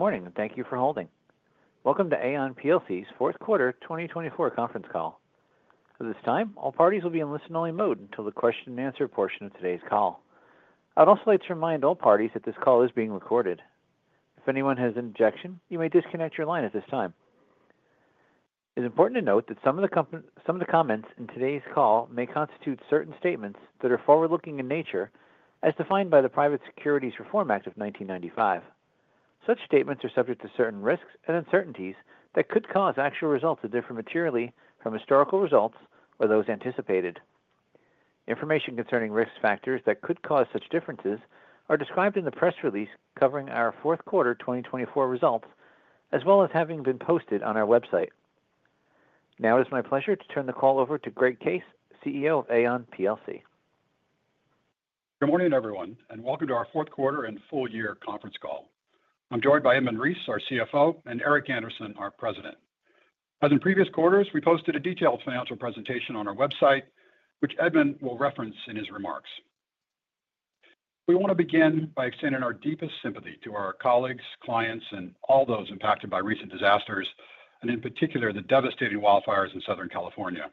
Good morning, and thank you for holding. Welcome to Aon plc's fourth quarter 2024 conference call. At this time, all parties will be in listen-only mode until the question-and-answer portion of today's call. I'd also like to remind all parties that this call is being recorded. If anyone has an objection, you may disconnect your line at this time. It's important to note that some of the comments in today's call may constitute certain statements that are forward-looking in nature, as defined by the Private Securities Litigation Reform Act of 1995. Such statements are subject to certain risks and uncertainties that could cause actual results to differ materially from historical results or those anticipated. Information concerning Risk factors that could cause such differences are described in the press release covering our fourth quarter 2024 results, as well as having been posted on our website. Now, it's my pleasure to turn the call over to Greg Case, CEO of Aon plc. Good morning, everyone, and welcome to our fourth quarter and full-year conference call. I'm joined by Edmund Reese, our CFO, and Eric Andersen, our President. As in previous quarters, we posted a detailed financial presentation on our website, which Edmund will reference in his remarks. We want to begin by extending our deepest sympathy to our colleagues, clients, and all those impacted by recent disasters, and in particular, the devastating wildfires in Southern California.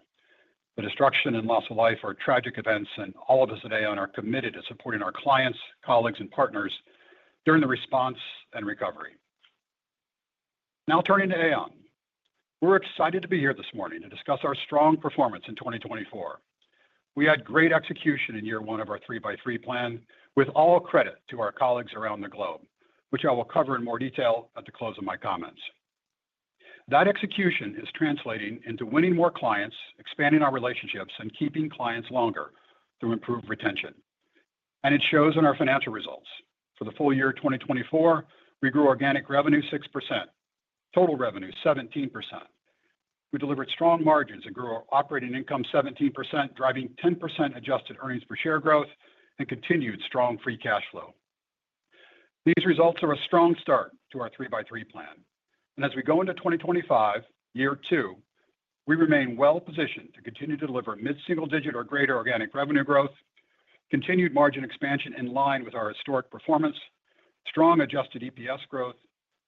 The destruction and loss of life are tragic events, and all of us at Aon are committed to supporting our clients, colleagues, and partners during the response and recovery. Now, turning to Aon, we're excited to be here this morning to discuss our strong performance in 2024. We had great execution in year one of our 3x3 Plan, with all credit to our colleagues around the globe, which I will cover in more detail at the close of my comments. That execution is translating into winning more clients, expanding our relationships, and keeping clients longer through improved retention. And it shows in our financial results. For the full year 2024, we grew organic revenue 6%, total revenue 17%. We delivered strong margins and grew our operating income 17%, driving 10% adjusted earnings per share growth and continued strong free cash flow. These results are a strong start to our 3x3 Plan. And as we go into 2025, year two, we remain well-positioned to continue to deliver mid-single-digit or greater organic revenue growth, continued margin expansion in line with our historic performance, strong adjusted EPS growth,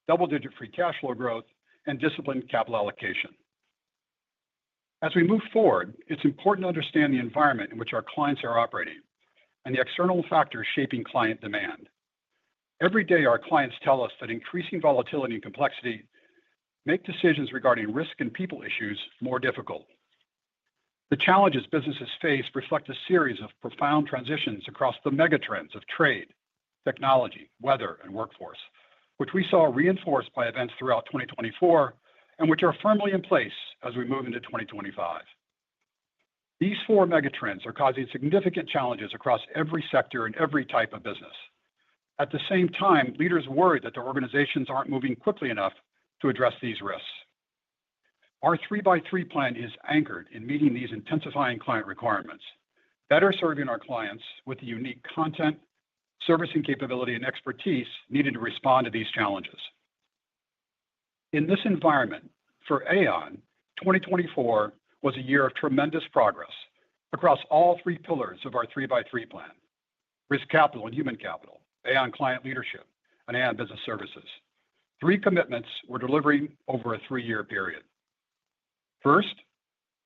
double-digit free cash flow growth, and disciplined capital allocation. As we move forward, it's important to understand the environment in which our clients are operating and the external factors shaping client demand. Every day, our clients tell us that increasing volatility and complexity make decisions regarding risk and people issues more difficult. The challenges businesses face reflect a series of profound transitions across the Megatrends of trade, technology, weather, and workforce, which we saw reinforced by events throughout 2024 and which are firmly in place as we move into 2025. These four Megatrends are causing significant challenges across every sector and every type of business. At the same time, leaders worry that their organizations aren't moving quickly enough to address these risks. Our 3x3 Plan is anchored in meeting these intensifying client requirements, better serving our clients with the unique content, servicing capability, and expertise needed to respond to these challenges. In this environment, for Aon, 2024 was a year of tremendous progress across all three pillars of our 3x3 Plan: Risk Capital and Human Capital, Aon Client Leadership, and Aon Business Services. Three commitments we're delivering over a three-year period. First,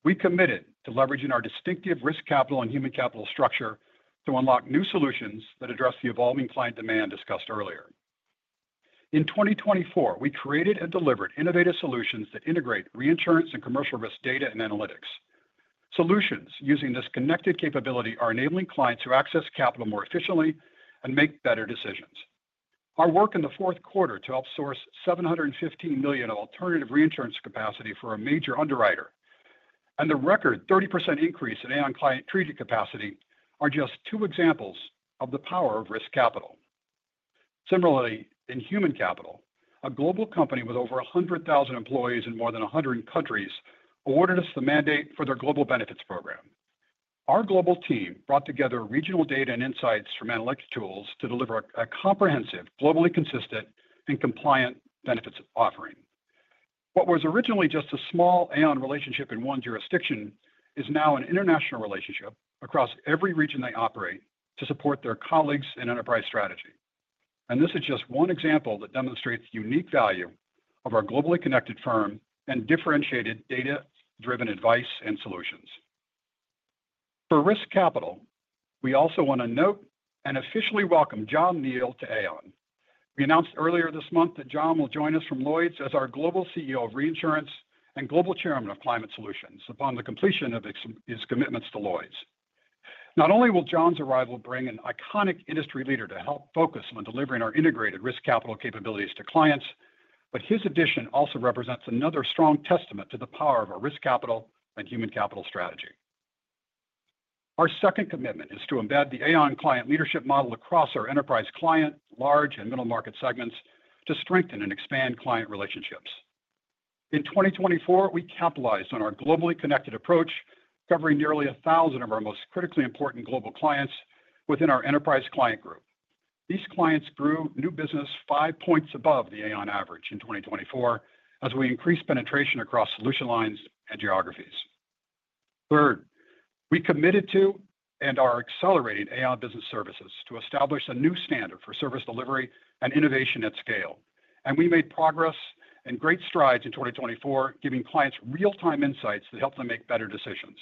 we committed to leveraging our distinctive Risk Capital and Human Capital structure to unlock new solutions that address the evolving client demand discussed earlier. In 2024, we created and delivered innovative solutions that integrate Reinsurance and Commercial Risk data and analytics. Solutions using this connected capability are enabling clients to access capital more efficiently and make better decisions. Our work in the fourth quarter to outsource $715 million of alternative Reinsurance capacity for a major underwriter and the record 30% increase in Aon Client Treaty capacity are just two examples of the power of Risk Capital. Similarly, in Human Capital, a global company with over 100,000 employees in more than 100 countries awarded us the mandate for their global benefits program. Our global team brought together regional data and insights from analytic tools to deliver a comprehensive, globally consistent, and compliant benefits offering. What was originally just a small Aon relationship in one jurisdiction is now an international relationship across every region they operate to support their colleagues and enterprise strategy. And this is just one example that demonstrates the unique value of our globally connected firm and differentiated data-driven advice and solutions. For Risk Capital, we also want to note and officially welcome John Neal to Aon. We announced earlier this month that John will join us from Lloyd's as our Global CEO of Reinsurance and Global Chairman of Climate Solutions upon the completion of his commitments to Lloyd's. Not only will John's arrival bring an iconic industry leader to help focus on delivering our integrated Risk Capital capabilities to clients, but his addition also represents another strong testament to the power of our Risk Capital and Human Capital strategy. Our second commitment is to embed the Aon Client Leadership model across our enterprise client, large, and middle market segments to strengthen and expand client relationships. In 2024, we capitalized on our globally connected approach, covering nearly 1,000 of our most critically important global clients within our Enterprise Client Group. These clients grew new business five points above the Aon average in 2024 as we increased penetration across solution lines and geographies. Third, we committed to and are accelerating Aon Business Services to establish a new standard for service delivery and innovation at scale. We made progress and great strides in 2024, giving clients real-time insights that help them make better decisions.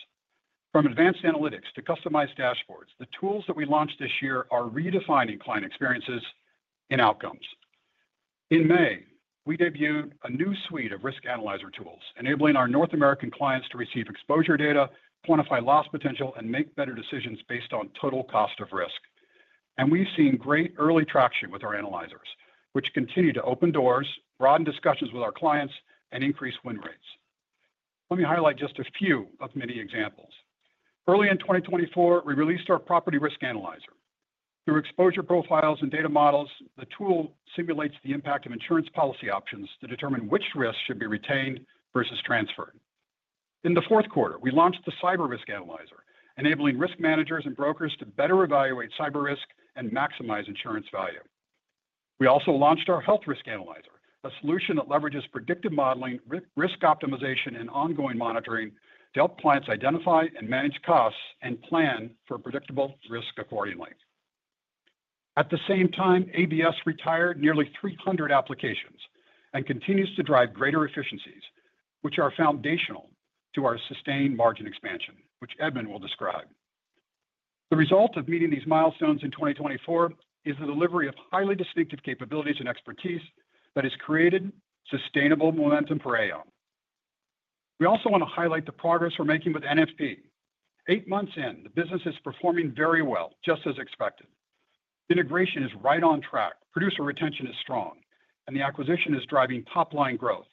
From advanced analytics to customized dashboards, the tools that we launched this year are redefining client experiences and outcomes. In May, we debuted a new suite of Risk Analyzer tools, enabling our North American clients to receive exposure data, quantify loss potential, and make better decisions based on total cost of risk. We’ve seen great early traction with our analyzers, which continue to open doors, broaden discussions with our clients, and increase win rates. Let me highlight just a few of many examples. Early in 2024, we released our Property Risk Analyzer. Through exposure profiles and data models, the tool simulates the impact of insurance policy options to determine which risks should be retained versus transferred. In the fourth quarter, we launched the Cyber Risk Analyzer, enabling risk managers and brokers to better evaluate cyber risk and maximize insurance value. We also launched our Health Risk Analyzer, a solution that leverages predictive modeling, risk optimization, and ongoing monitoring to help clients identify and manage costs and plan for predictable risk accordingly. At the same time, ABS retired nearly 300 applications and continues to drive greater efficiencies, which are foundational to our sustained margin expansion, which Edmund will describe. The result of meeting these milestones in 2024 is the delivery of highly distinctive capabilities and expertise that has created sustainable momentum for Aon. We also want to highlight the progress we're making with NFP. Eight months in, the business is performing very well, just as expected. Integration is right on track, producer retention is strong, and the acquisition is driving top-line growth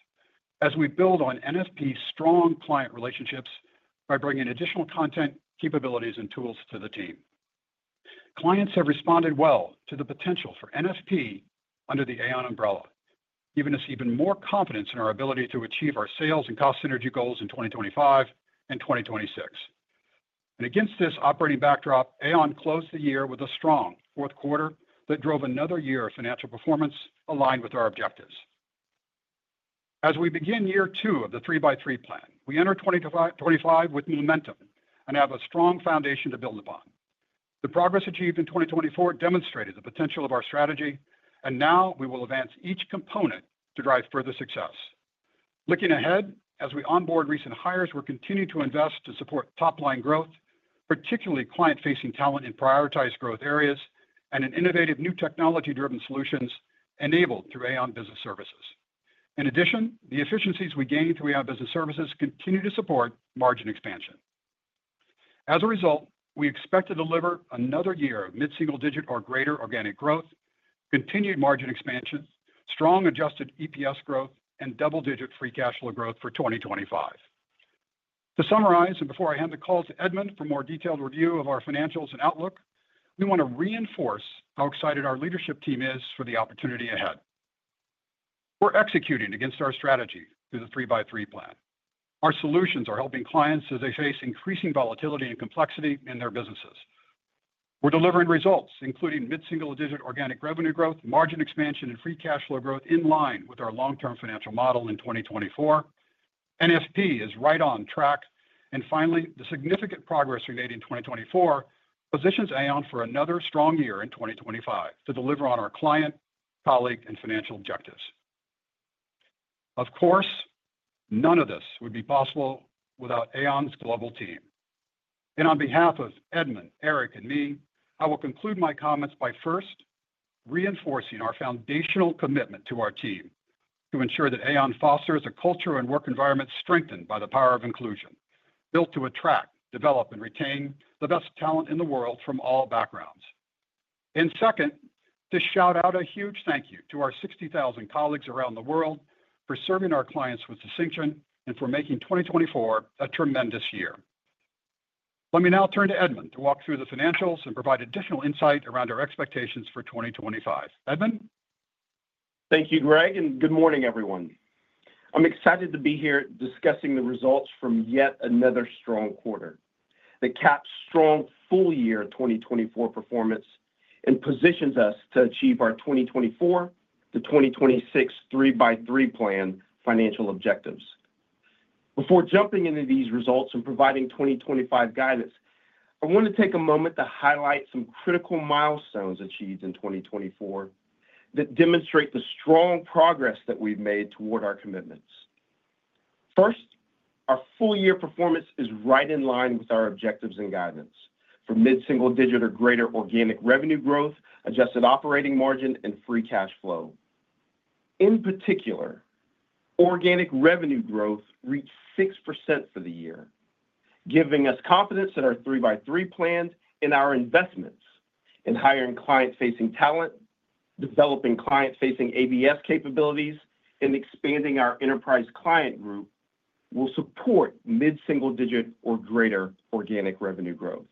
as we build on NFP's strong client relationships by bringing additional content, capabilities, and tools to the team. Clients have responded well to the potential for NFP under the Aon umbrella, giving us even more confidence in our ability to achieve our sales and cost synergy goals in 2025 and 2026, and against this operating backdrop, Aon closed the year with a strong fourth quarter that drove another year of financial performance aligned with our objectives. As we begin year two of the 3x3 Plan, we enter 2025 with momentum and have a strong foundation to build upon. The progress achieved in 2024 demonstrated the potential of our strategy, and now we will advance each component to drive further success. Looking ahead, as we onboard recent hires, we're continuing to invest to support top-line growth, particularly client-facing talent in prioritized growth areas and in innovative new technology-driven solutions enabled through Aon Business Services. In addition, the efficiencies we gained through Aon Business Services continue to support margin expansion. As a result, we expect to deliver another year of mid-single-digit or greater organic growth, continued margin expansion, strong adjusted EPS growth, and double-digit free cash flow growth for 2025. To summarize, and before I hand the call to Edmund for more detailed review of our financials and outlook, we want to reinforce how excited our leadership team is for the opportunity ahead. We're executing against our strategy through the 3x3 Plan. Our solutions are helping clients as they face increasing volatility and complexity in their businesses. We're delivering results, including mid-single-digit organic revenue growth, margin expansion, and free cash flow growth in line with our long-term financial model in 2024. NFP is right on track, and finally, the significant progress we made in 2024 positions Aon for another strong year in 2025 to deliver on our client, colleague, and financial objectives. Of course, none of this would be possible without Aon's global team, and on behalf of Edmund, Eric, and me, I will conclude my comments by first reinforcing our foundational commitment to our team to ensure that Aon fosters a culture and work environment strengthened by the power of inclusion, built to attract, develop, and retain the best talent in the world from all backgrounds, and second, to shout out a huge thank you to our 60,000 colleagues around the world for serving our clients with distinction and for making 2024 a tremendous year. Let me now turn to Edmund to walk through the financials and provide additional insight around our expectations for 2025. Edmund? Thank you, Greg, and good morning, everyone. I'm excited to be here discussing the results from yet another strong quarter that caps strong full-year 2024 performance and positions us to achieve our 2024 to 2026 3x3 Plan financial objectives. Before jumping into these results and providing 2025 guidance, I want to take a moment to highlight some critical milestones achieved in 2024 that demonstrate the strong progress that we've made toward our commitments. First, our full-year performance is right in line with our objectives and guidance for mid-single-digit or greater organic revenue growth, adjusted operating margin, and free cash flow. In particular, organic revenue growth reached 6% for the year, giving us confidence in our 3x3 Plan and our investments in hiring client-facing talent, developing client-facing ABS capabilities, and expanding our enterprise client group will support mid-single-digit or greater organic revenue growth.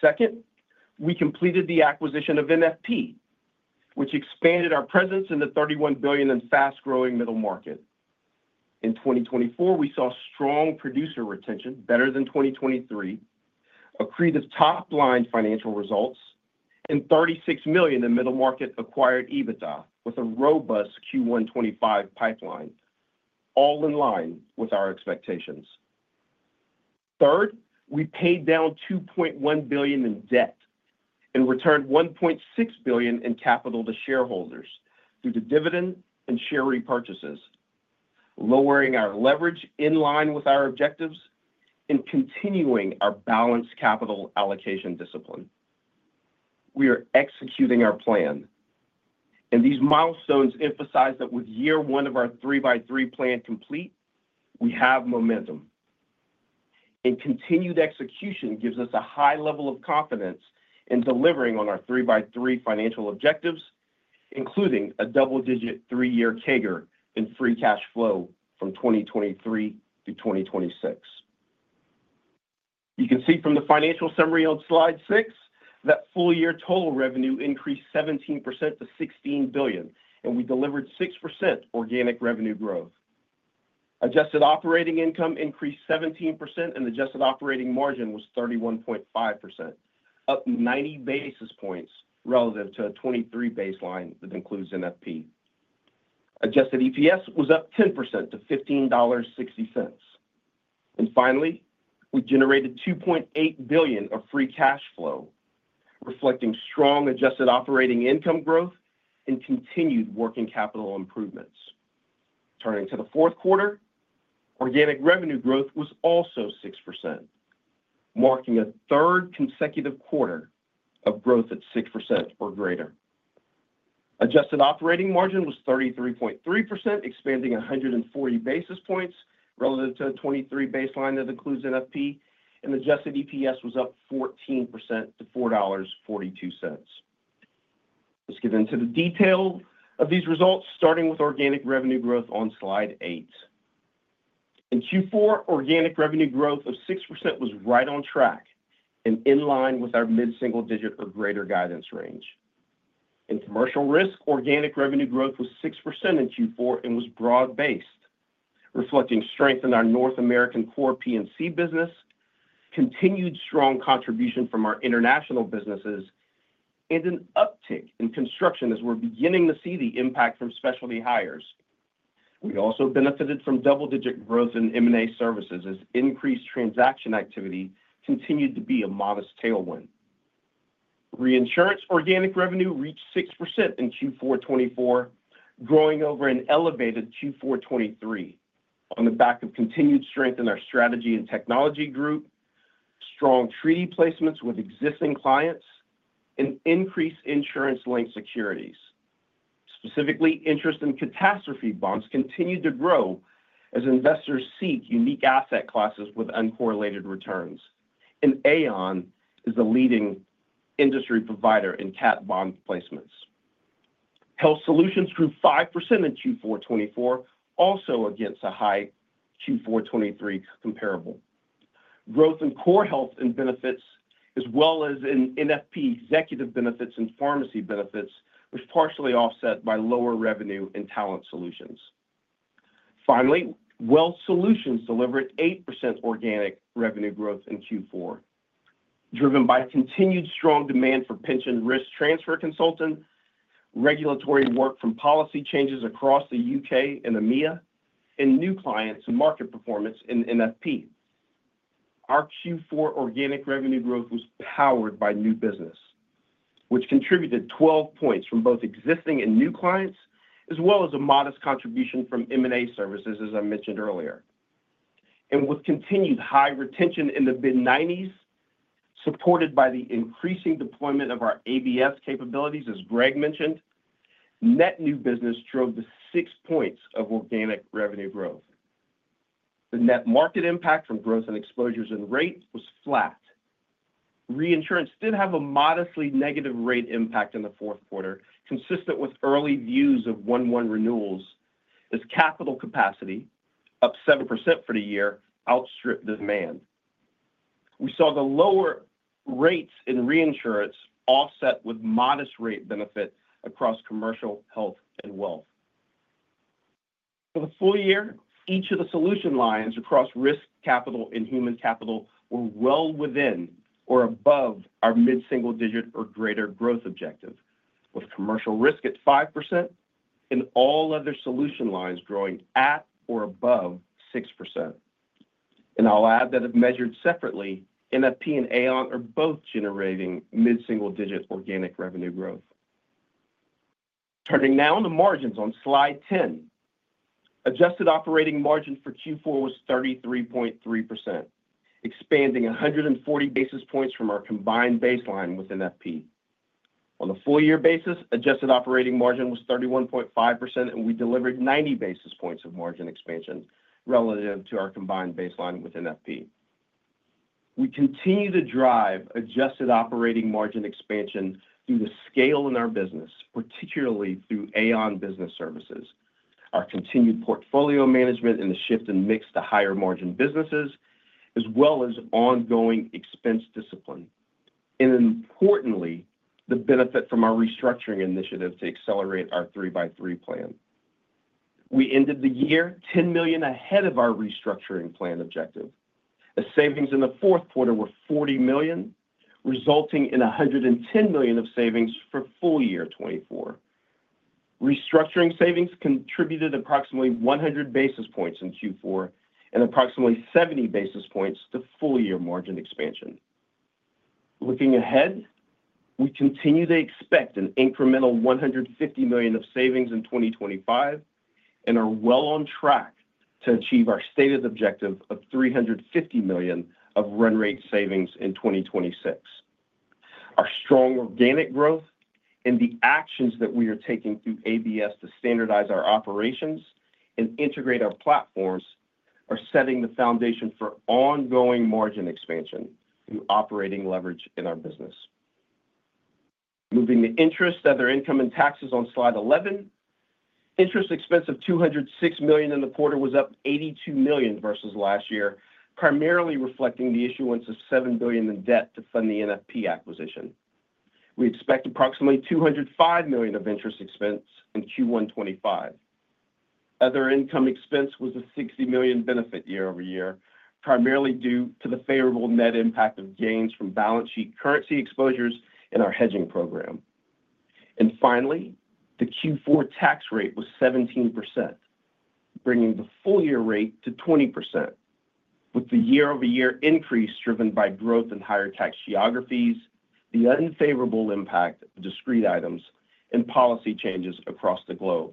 Second, we completed the acquisition of NFP, which expanded our presence in the $31 billion and fast-growing middle market. In 2024, we saw strong producer retention, better than 2023, accretive top-line financial results, and $36 million in middle market acquired EBITDA with a robust Q1-25 pipeline, all in line with our expectations. Third, we paid down $2.1 billion in debt and returned $1.6 billion in capital to shareholders through the dividend and share repurchases, lowering our leverage in line with our objectives and continuing our balanced capital allocation discipline. We are executing our plan, and these milestones emphasize that with year one of our 3x3 Plan complete, we have momentum. And continued execution gives us a high level of confidence in delivering on our 3x3 financial objectives, including a double-digit three-year CAGR and free cash flow from 2023 to 2026. You can see from the financial summary on slide six that full-year total revenue increased 17% to $16 billion, and we delivered 6% organic revenue growth. Adjusted operating income increased 17%, and adjusted operating margin was 31.5%, up 90 basis points relative to a 2023 baseline that includes NFP. Adjusted EPS was up 10% to $15.60, and finally, we generated $2.8 billion of free cash flow, reflecting strong adjusted operating income growth and continued working capital improvements. Turning to the fourth quarter, organic revenue growth was also 6%, marking a third consecutive quarter of growth at 6% or greater. Adjusted operating margin was 33.3%, expanding 140 basis points relative to a 2023 baseline that includes NFP, and adjusted EPS was up 14% to $4.42. Let's get into the detail of these results, starting with organic revenue growth on slide eight. In Q4, organic revenue growth of 6% was right on track and in line with our mid-single-digit or greater guidance range. In Commercial Risk, organic revenue growth was 6% in Q4 and was broad-based, reflecting strength in our North American core P&C business, continued strong contribution from our international businesses, and an uptick in construction as we're beginning to see the impact from specialty hires. We also benefited from double-digit growth in M&A services as increased transaction activity continued to be a modest tailwind. Reinsurance organic revenue reached 6% in Q4-24, growing over an elevated Q4-23 on the back of continued strength in our Strategy and Technology Group, strong treaty placements with existing clients, and increased insurance-linked securities. Specifically, interest in catastrophe bonds continued to grow as investors seek unique asset classes with uncorrelated returns, and Aon is the leading industry provider in CAT bond placements. Health Solutions grew 5% in Q4 2024, also against a high Q4 2023 comparable. Growth in core health and benefits, as well as in NFP executive benefits and pharmacy benefits, was partially offset by lower revenue in Talent Solutions. Finally, Wealth Solutions delivered 8% organic revenue growth in Q4, driven by continued strong demand for pension risk transfer consulting, regulatory work from policy changes across the UK and EMEA, and new clients and market performance in NFP. Our Q4 organic revenue growth was powered by new business, which contributed 12 points from both existing and new clients, as well as a modest contribution from M&A services, as I mentioned earlier, and with continued high retention in the mid-90s, supported by the increasing deployment of our ABS capabilities, as Greg mentioned, net new business drove the 6 points of organic revenue growth. The net market impact from growth and exposures and rate was flat. Reinsurance did have a modestly negative rate impact in the fourth quarter, consistent with early views of 1/1 renewals, as capital capacity, up 7% for the year, outstripped the demand. We saw the lower rates in Reinsurance offset with modest rate benefit across Commercial Risk, Health, and Wealth. For the full year, each of the solution lines across Risk Capital and Human Capital were well within or above our mid-single-digit or greater growth objective, with Commercial Risk at 5% and all other solution lines growing at or above 6%. And I'll add that if measured separately, NFP and Aon are both generating mid-single-digit organic revenue growth. Turning now to margins on slide 10, Adjusted Operating Margin for Q4 was 33.3%, expanding 140 basis points from our combined baseline with NFP. On the full-year basis, adjusted operating margin was 31.5%, and we delivered 90 basis points of margin expansion relative to our combined baseline with NFP. We continue to drive adjusted operating margin expansion through the scale in our business, particularly through Aon Business Services, our continued portfolio management, and the shift in mix to higher margin businesses, as well as ongoing expense discipline, and importantly, the benefit from our restructuring initiative to accelerate our 3x3 Plan. We ended the year $10 million ahead of our restructuring plan objective. The savings in the fourth quarter were $40 million, resulting in $110 million of savings for full year 2024. Restructuring savings contributed approximately 100 basis points in Q4 and approximately 70 basis points to full-year margin expansion. Looking ahead, we continue to expect an incremental $150 million of savings in 2025 and are well on track to achieve our stated objective of $350 million of run rate savings in 2026. Our strong organic growth and the actions that we are taking through ABS to standardize our operations and integrate our platforms are setting the foundation for ongoing margin expansion through operating leverage in our business. Moving to interest, other income and taxes on slide 11, interest expense of $206 million in the quarter was up $82 million versus last year, primarily reflecting the issuance of $7 billion in debt to fund the NFP acquisition. We expect approximately $205 million of interest expense in Q1-25. Other income expense was a $60 million benefit year over year, primarily due to the favorable net impact of gains from balance sheet currency exposures and our hedging program. Finally, the Q4 tax rate was 17%, bringing the full-year rate to 20%, with the year-over-year increase driven by growth in higher tax geographies, the unfavorable impact of discrete items, and policy changes across the globe.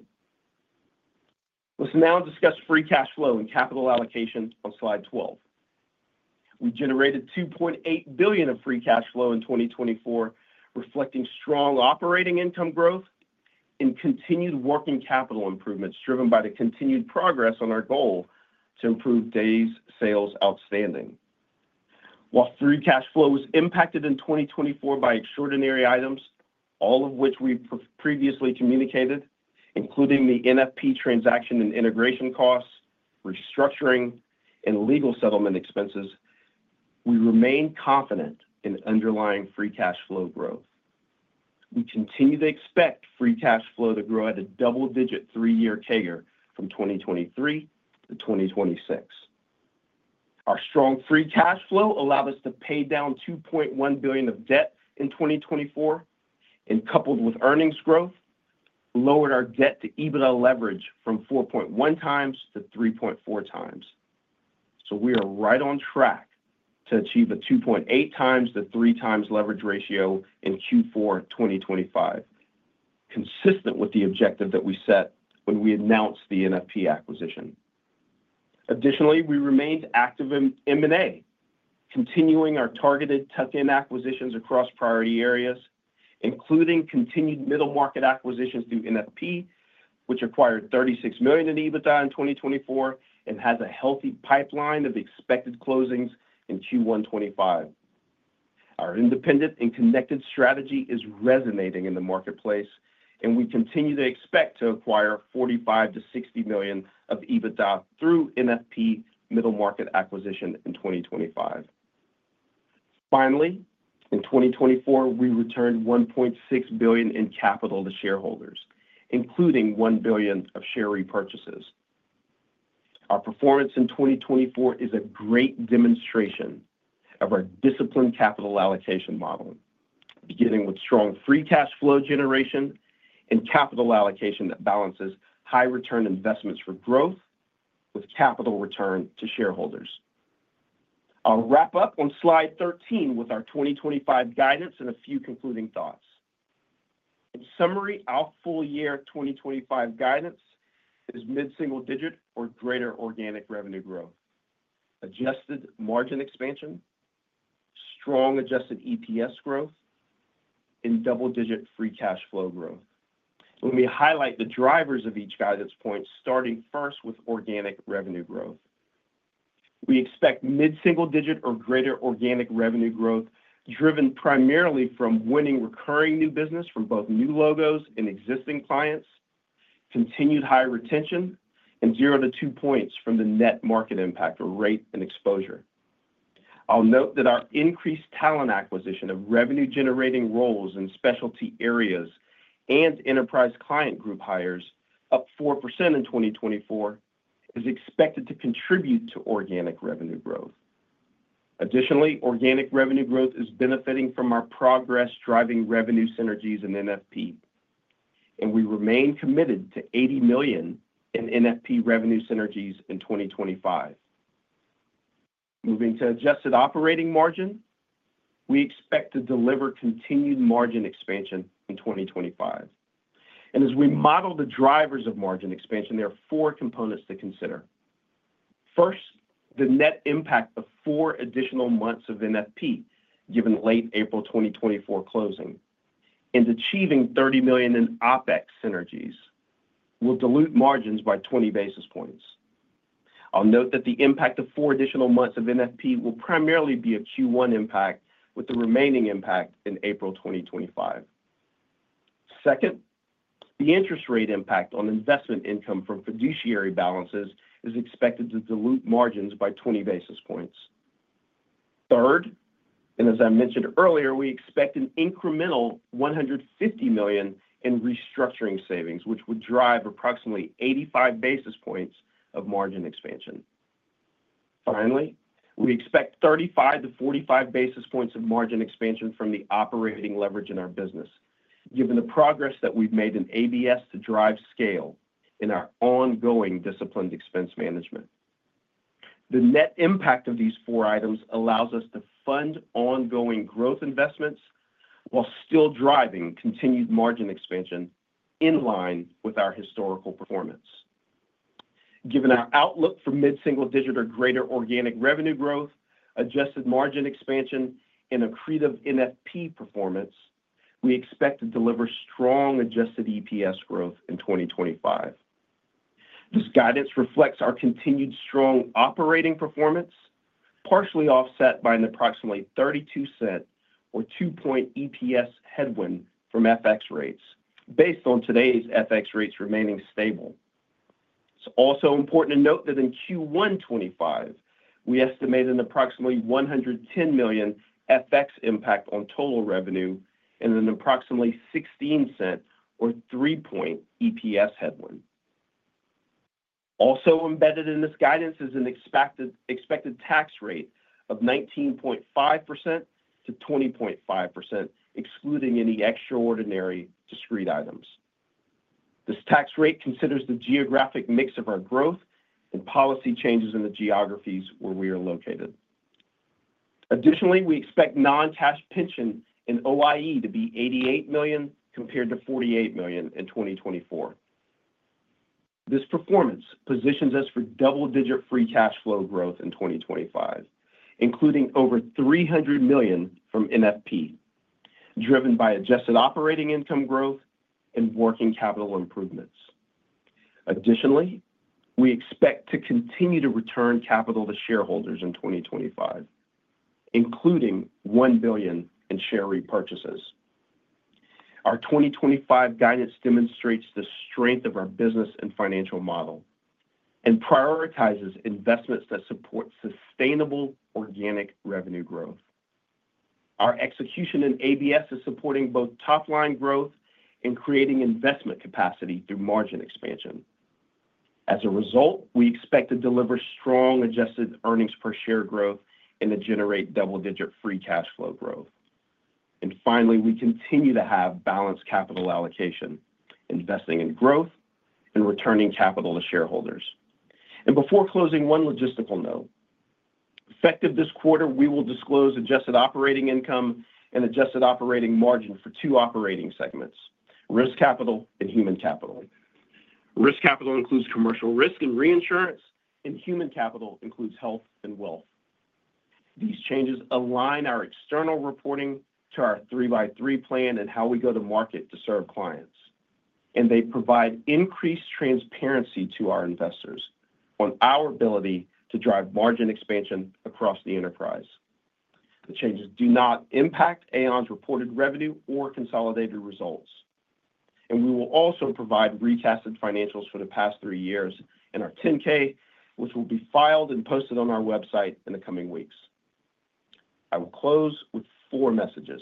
Let's now discuss free cash flow and capital allocation on slide 12. We generated $2.8 billion of free cash flow in 2024, reflecting strong operating income growth and continued working capital improvements driven by the continued progress on our goal to improve days sales outstanding. While free cash flow was impacted in 2024 by extraordinary items, all of which we previously communicated, including the NFP transaction and integration costs, restructuring, and legal settlement expenses, we remain confident in underlying free cash flow growth. We continue to expect free cash flow to grow at a double-digit three-year CAGR from 2023 to 2026. Our strong free cash flow allowed us to pay down $2.1 billion of debt in 2024, and coupled with earnings growth, lowered our debt to EBITDA leverage from 4.1 times to 3.4 times, so we are right on track to achieve a 2.8 times to 3 times leverage ratio in Q4 2025, consistent with the objective that we set when we announced the NFP acquisition. Additionally, we remained active in M&A, continuing our targeted tuck-in acquisitions across priority areas, including continued middle market acquisitions through NFP, which acquired $36 million in EBITDA in 2024 and has a healthy pipeline of expected closings in Q1 2025. Our independent and connected strategy is resonating in the marketplace, and we continue to expect to acquire $45 million to $60 million of EBITDA through NFP middle market acquisition in 2025. Finally, in 2024, we returned $1.6 billion in capital to shareholders, including $1 billion of share repurchases. Our performance in 2024 is a great demonstration of our disciplined capital allocation model, beginning with strong free cash flow generation and capital allocation that balances high-return investments for growth with capital return to shareholders. I'll wrap up on slide 13 with our 2025 guidance and a few concluding thoughts. In summary, our full-year 2025 guidance is mid-single-digit or greater organic revenue growth, adjusted margin expansion, strong adjusted EPS growth, and double-digit free cash flow growth. Let me highlight the drivers of each guidance point, starting first with organic revenue growth. We expect mid-single-digit or greater organic revenue growth driven primarily from winning recurring new business from both new logos and existing clients, continued high retention, and 0 to 2 points from the net market impact or rate and exposure. I'll note that our increased talent acquisition of revenue-generating roles in specialty areas and enterprise client group hires, up 4% in 2024, is expected to contribute to organic revenue growth. Additionally, organic revenue growth is benefiting from our progress driving revenue synergies in NFP, and we remain committed to $80 million in NFP revenue synergies in 2025. Moving to adjusted operating margin, we expect to deliver continued margin expansion in 2025, and as we model the drivers of margin expansion, there are four components to consider. First, the net impact of four additional months of NFP, given late April 2024 closing, and achieving $30 million in OpEx synergies will dilute margins by 20 basis points. I'll note that the impact of four additional months of NFP will primarily be a Q1 impact, with the remaining impact in April 2025. Second, the interest rate impact on investment income from fiduciary balances is expected to dilute margins by 20 basis points. Third, and as I mentioned earlier, we expect an incremental $150 million in restructuring savings, which would drive approximately 85 basis points of margin expansion. Finally, we expect 35 to 45 basis points of margin expansion from the operating leverage in our business, given the progress that we've made in ABS to drive scale in our ongoing disciplined expense management. The net impact of these four items allows us to fund ongoing growth investments while still driving continued margin expansion in line with our historical performance. Given our outlook for mid-single-digit or greater organic revenue growth, adjusted margin expansion, and accretive NFP performance, we expect to deliver strong adjusted EPS growth in 2025. This guidance reflects our continued strong operating performance, partially offset by an approximately $0.32 or 2-point EPS headwind from FX rates, based on today's FX rates remaining stable. It's also important to note that in Q1-25, we estimated an approximately $110 million FX impact on total revenue and an approximately $0.16 or 3-point EPS headwind. Also embedded in this guidance is an expected tax rate of 19.5%-20.5%, excluding any extraordinary discrete items. This tax rate considers the geographic mix of our growth and policy changes in the geographies where we are located. Additionally, we expect non-cash pension and OIE to be $88 million compared to $48 million in 2024. This performance positions us for double-digit free cash flow growth in 2025, including over $300 million from NFP, driven by adjusted operating income growth and working capital improvements. Additionally, we expect to continue to return capital to shareholders in 2025, including $1 billion in share repurchases. Our 2025 guidance demonstrates the strength of our business and financial model and prioritizes investments that support sustainable organic revenue growth. Our execution in ABS is supporting both top-line growth and creating investment capacity through margin expansion. As a result, we expect to deliver strong adjusted earnings per share growth and to generate double-digit free cash flow growth. And finally, we continue to have balanced capital allocation, investing in growth and returning capital to shareholders. And before closing, one logistical note. Effective this quarter, we will disclose adjusted operating income and adjusted operating margin for two operating segments: Risk Capital and Human Capital. Risk Capital includes Commercial Risk and Reinsurance, and Human Capital includes Health and Wealth. These changes align our external reporting to our 3x3 Plan and how we go to market to serve clients, and they provide increased transparency to our investors on our ability to drive margin expansion across the enterprise. The changes do not impact Aon's reported revenue or consolidated results, and we will also provide recasted financials for the past three years in our 10-K, which will be filed and posted on our website in the coming weeks. I will close with four messages.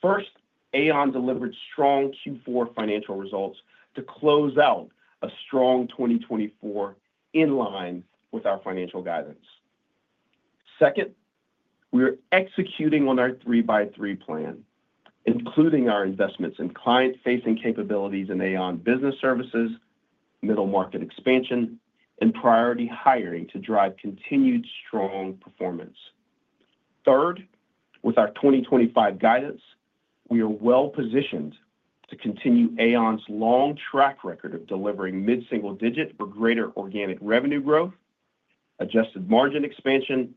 First, Aon delivered strong Q4 financial results to close out a strong 2024 in line with our financial guidance. Second, we are executing on our 3x3 Plan, including our investments in client-facing capabilities in Aon Business Services, Middle Market expansion, and priority hiring to drive continued strong performance. Third, with our 2025 guidance, we are well positioned to continue Aon's long track record of delivering mid-single-digit or greater organic revenue growth, adjusted margin expansion,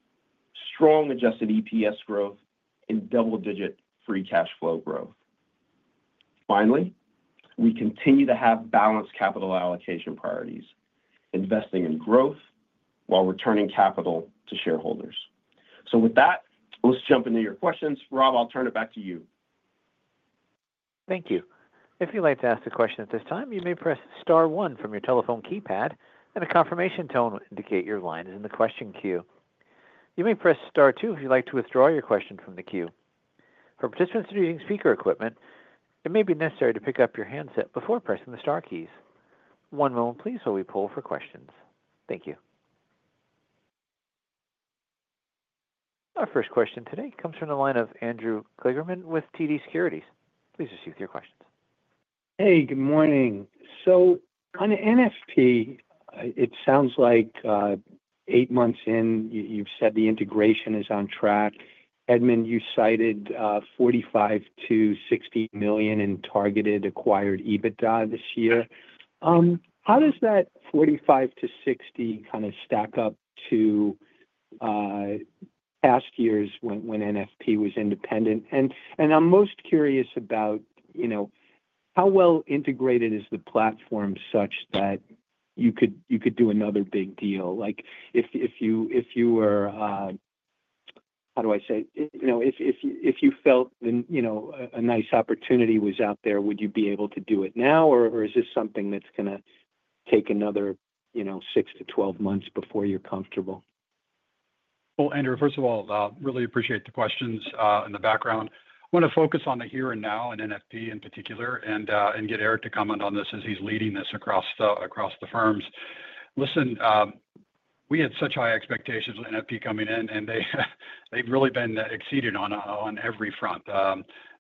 strong adjusted EPS growth, and double-digit free cash flow growth. Finally, we continue to have balanced capital allocation priorities, investing in growth while returning capital to shareholders. So with that, let's jump into your questions. Rob, I'll turn it back to you. Thank you. If you'd like to ask a question at this time, you may press Star one from your telephone keypad, and a confirmation tone will indicate your line is in the question queue. You may press Star Two if you'd like to withdraw your question from the queue. For participants needing speaker equipment, it may be necessary to pick up your handset before pressing the Star keys. One moment, please, while we pull for questions. Thank you. Our first question today comes from the line of Andrew Kligerman with TD Securities. Please proceed with your questions. Hey, good morning. So on NFP, it sounds like eight months in, you've said the integration is on track. Edmund, you cited $45 million-$60 million in targeted acquired EBITDA this year. How does that $45 million-$60 million kind of stack up to past years when NFP was independent? And I'm most curious about how well integrated is the platform such that you could do another big deal? If you were, how do I say it? If you felt a nice opportunity was out there, would you be able to do it now, or is this something that's going to take another 6 to 12 months before you're comfortable? Well, Andrew, first of all, really appreciate the questions in the background. I want to focus on the here and now in NFP in particular and get Eric to comment on this as he's leading this across the firms. Listen, we had such high expectations with NFP coming in, and they've really been exceeded on every front.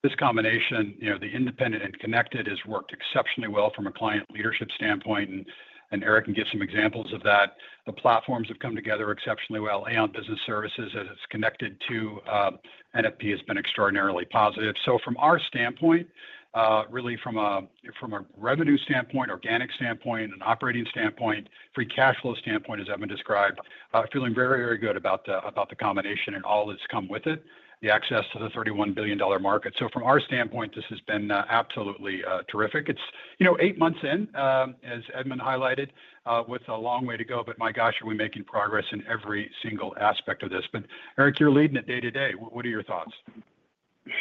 This combination, the Independent and Connected, has worked exceptionally well from a client leadership standpoint, and Eric can give some examples of that. The platforms have come together exceptionally well. Aon Business Services, as it's connected to NFP, has been extraordinarily positive, so from our standpoint, really from a revenue standpoint, organic standpoint, and operating standpoint, free cash flow standpoint, as Edmund described, feeling very, very good about the combination and all that's come with it, the access to the $31 billion market, so from our standpoint, this has been absolutely terrific. It's eight months in, as Edmund highlighted, with a long way to go, but my gosh, are we making progress in every single aspect of this? But Eric, you're leading it day to day. What are your thoughts?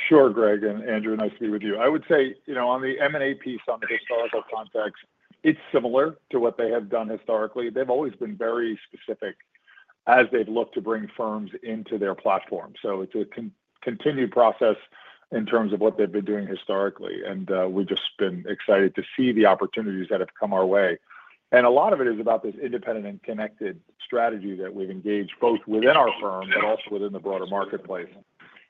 Sure, Greg. And Andrew, nice to be with you. I would say on the M&A piece, on the historical context, it's similar to what they have done historically. They've always been very specific as they've looked to bring firms into their platform. So it's a continued process in terms of what they've been doing historically, and we've just been excited to see the opportunities that have come our way. And a lot of it is about this independent and connected strategy that we've engaged both within our firm but also within the broader marketplace.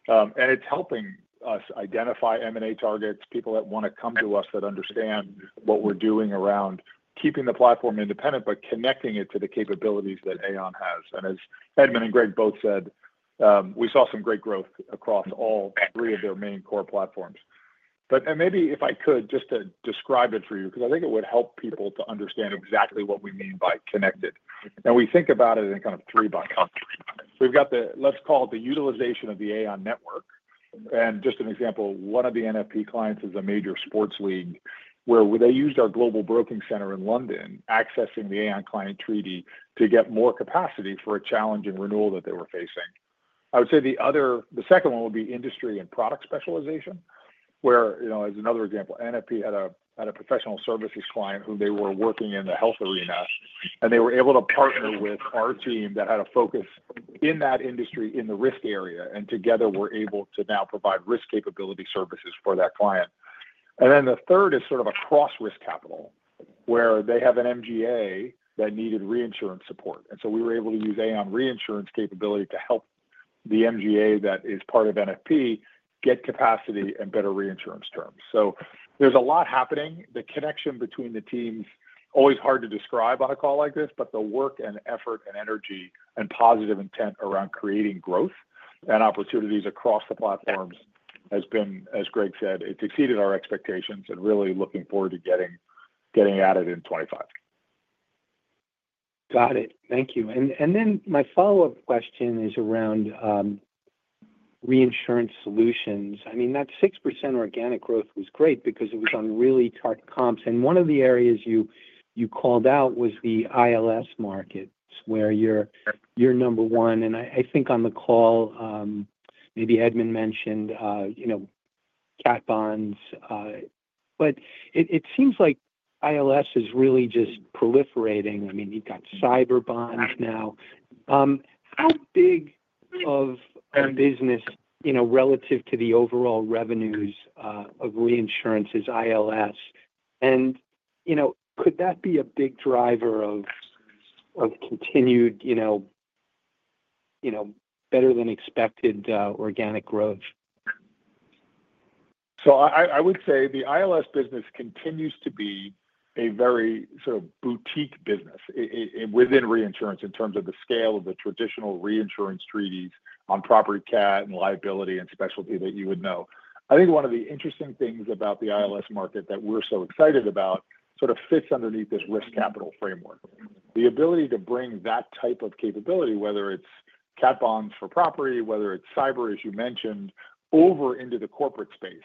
And it's helping us identify M&A targets, people that want to come to us that understand what we're doing around keeping the platform independent but connecting it to the capabilities that Aon has. And as Edmund and Greg both said, we saw some great growth across all three of their main core platforms. But maybe if I could just describe it for you, because I think it would help people to understand exactly what we mean by connected. And we think about it in kind of three buckets. We've got the, let's call it the utilization of the Aon network. And just an example, one of the NFP clients is a major sports league where they used our Global Broking Centre in London accessing the Aon Client Treaty to get more capacity for a challenge and renewal that they were facing. I would say the second one would be industry and product specialization, whereas another example, NFP had a professional services client who they were working in the health arena, and they were able to partner with our team that had a focus in that industry in the risk area, and together we're able to now provide risk capability services for that client. And then the third is sort of a cross-risk capital where they have an MGA that needed reinsurance support. And so we were able to use Aon Reinsurance capability to help the MGA that is part of NFP get capacity and better reinsurance terms. So there's a lot happening. The connection between the team is always hard to describe on a call like this, but the work and effort and energy and positive intent around creating growth and opportunities across the platforms has been, as Greg said, it's exceeded our expectations and really looking forward to getting at it in 2025. Got it. Thank you. And then my follow-up question is around Reinsurance Solutions. I mean, that 6% organic growth was great because it was on really tight comps. And one of the areas you called out was the ILS markets where you're number one. And I think on the call, maybe Edmund mentioned cat bonds, but it seems like ILS is really just proliferating. I mean, you've got cyber bonds now. How big of a business relative to the overall revenues of Reinsurance is ILS? And could that be a big driver of continued better-than-expected organic growth? So I would say the ILS business continues to be a very sort of boutique business within Reinsurance in terms of the scale of the traditional Reinsurance treaties on Property Cat and liability and specialty that you would know. I think one of the interesting things about the ILS market that we're so excited about sort of fits underneath this risk capital framework. The ability to bring that type of capability, whether it's cat bonds for property, whether it's cyber, as you mentioned, over into the corporate space,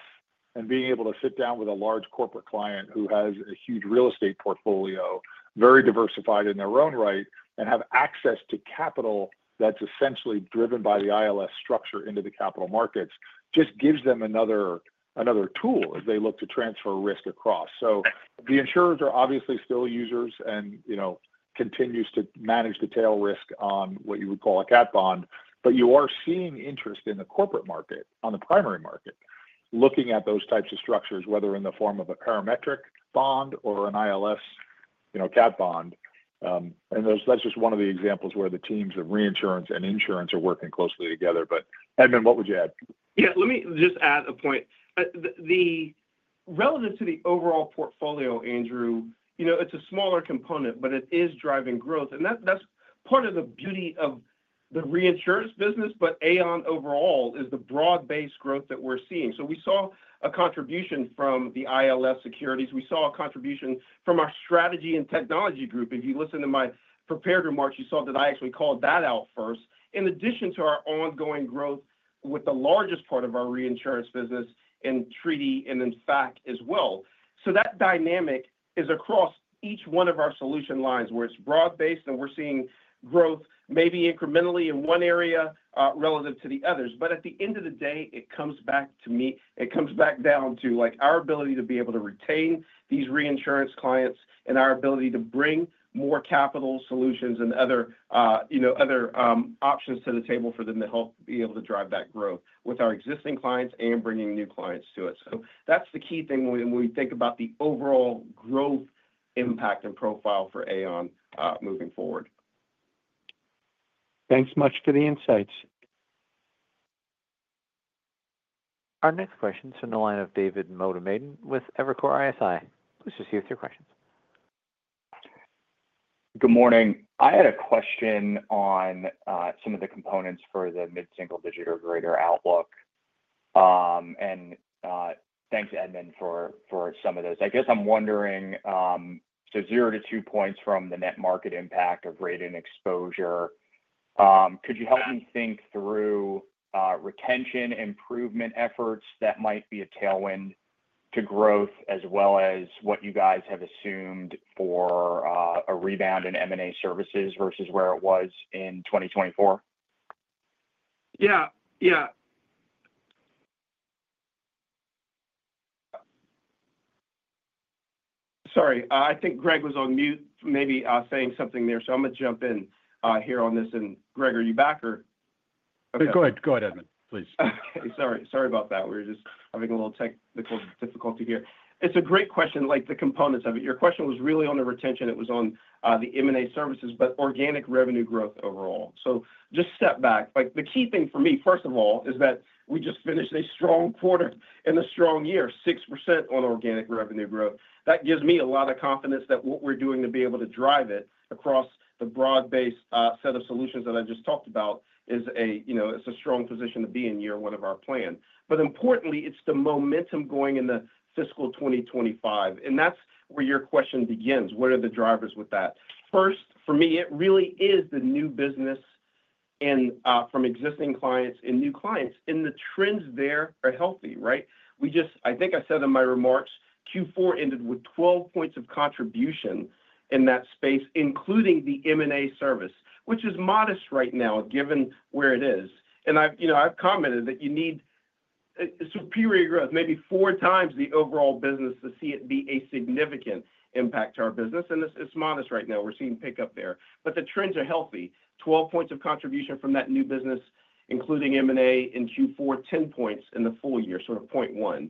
and being able to sit down with a large corporate client who has a huge real estate portfolio, very diversified in their own right, and have access to capital that's essentially driven by the ILS structure into the capital markets just gives them another tool as they look to transfer risk across. So the insurers are obviously still users and continue to manage the tail risk on what you would call a cat bond, but you are seeing interest in the corporate market, on the primary market, looking at those types of structures, whether in the form of a parametric bond or an ILS cat bond. And that's just one of the examples where the teams of Reinsurance and insurance are working closely together. But Edmund, what would you add? Yeah. Let me just add a point. Relative to the overall portfolio, Andrew, it's a smaller component, but it is driving growth. And that's part of the beauty of the Reinsurance business, but Aon overall is the broad-based growth that we're seeing. So we saw a contribution from the ILS securities. We saw a contribution from our strategy and technology group. If you listen to my prepared remarks, you saw that I actually called that out first, in addition to our ongoing growth with the largest part of our Reinsurance business in treaty and in fact as well. So that dynamic is across each one of our solution lines where it's broad-based and we're seeing growth maybe incrementally in one area relative to the others. But at the end of the day, it comes back to me. It comes back down to our ability to be able to retain these Reinsurance clients and our ability to bring more capital solutions and other options to the table for them to help be able to drive that growth with our existing clients and bringing new clients to it. So that's the key thing when we think about the overall growth impact and profile for Aon moving forward. Thanks much for the insights. Our next question is in the line of David Motemaden with Evercore ISI. Please proceed with your questions. Good morning. I had a question on some of the components for the mid-single-digit or greater outlook. And thanks, Edmund, for some of this. I guess I'm wondering, so zero to two points from the net market impact of rate and exposure, could you help me think through retention improvement efforts that might be a tailwind to growth as well as what you guys have assumed for a rebound in M&A services versus where it was in 2024? Yeah. Yeah. Sorry. I think Greg was on mute, maybe saying something there. So I'm going to jump in here on this. And Greg, are you back or? Go ahead. Go ahead, Edmund, please. Okay. Sorry about that. We were just having a little technical difficulty here. It's a great question, like the components of it. Your question was really on the retention. It was on the M&A services, but organic revenue growth overall. So just step back. The key thing for me, first of all, is that we just finished a strong quarter and a strong year, 6% on organic revenue growth. That gives me a lot of confidence that what we're doing to be able to drive it across the broad-based set of solutions that I just talked about is a strong position to be in year one of our plan. But importantly, it's the momentum going into fiscal 2025. And that's where your question begins. What are the drivers with that? First, for me, it really is the new business from existing clients and new clients in the trends there are healthy, right? I think I said in my remarks, Q4 ended with 12 points of contribution in that space, including the M&A services, which is modest right now given where it is, and I've commented that you need superior growth, maybe four times the overall business to see it be a significant impact to our business, and it's modest right now. We're seeing pickup there, but the trends are healthy. 12 points of contribution from that new business, including M&A services in Q4, 10 points in the full year, sort of 0.1.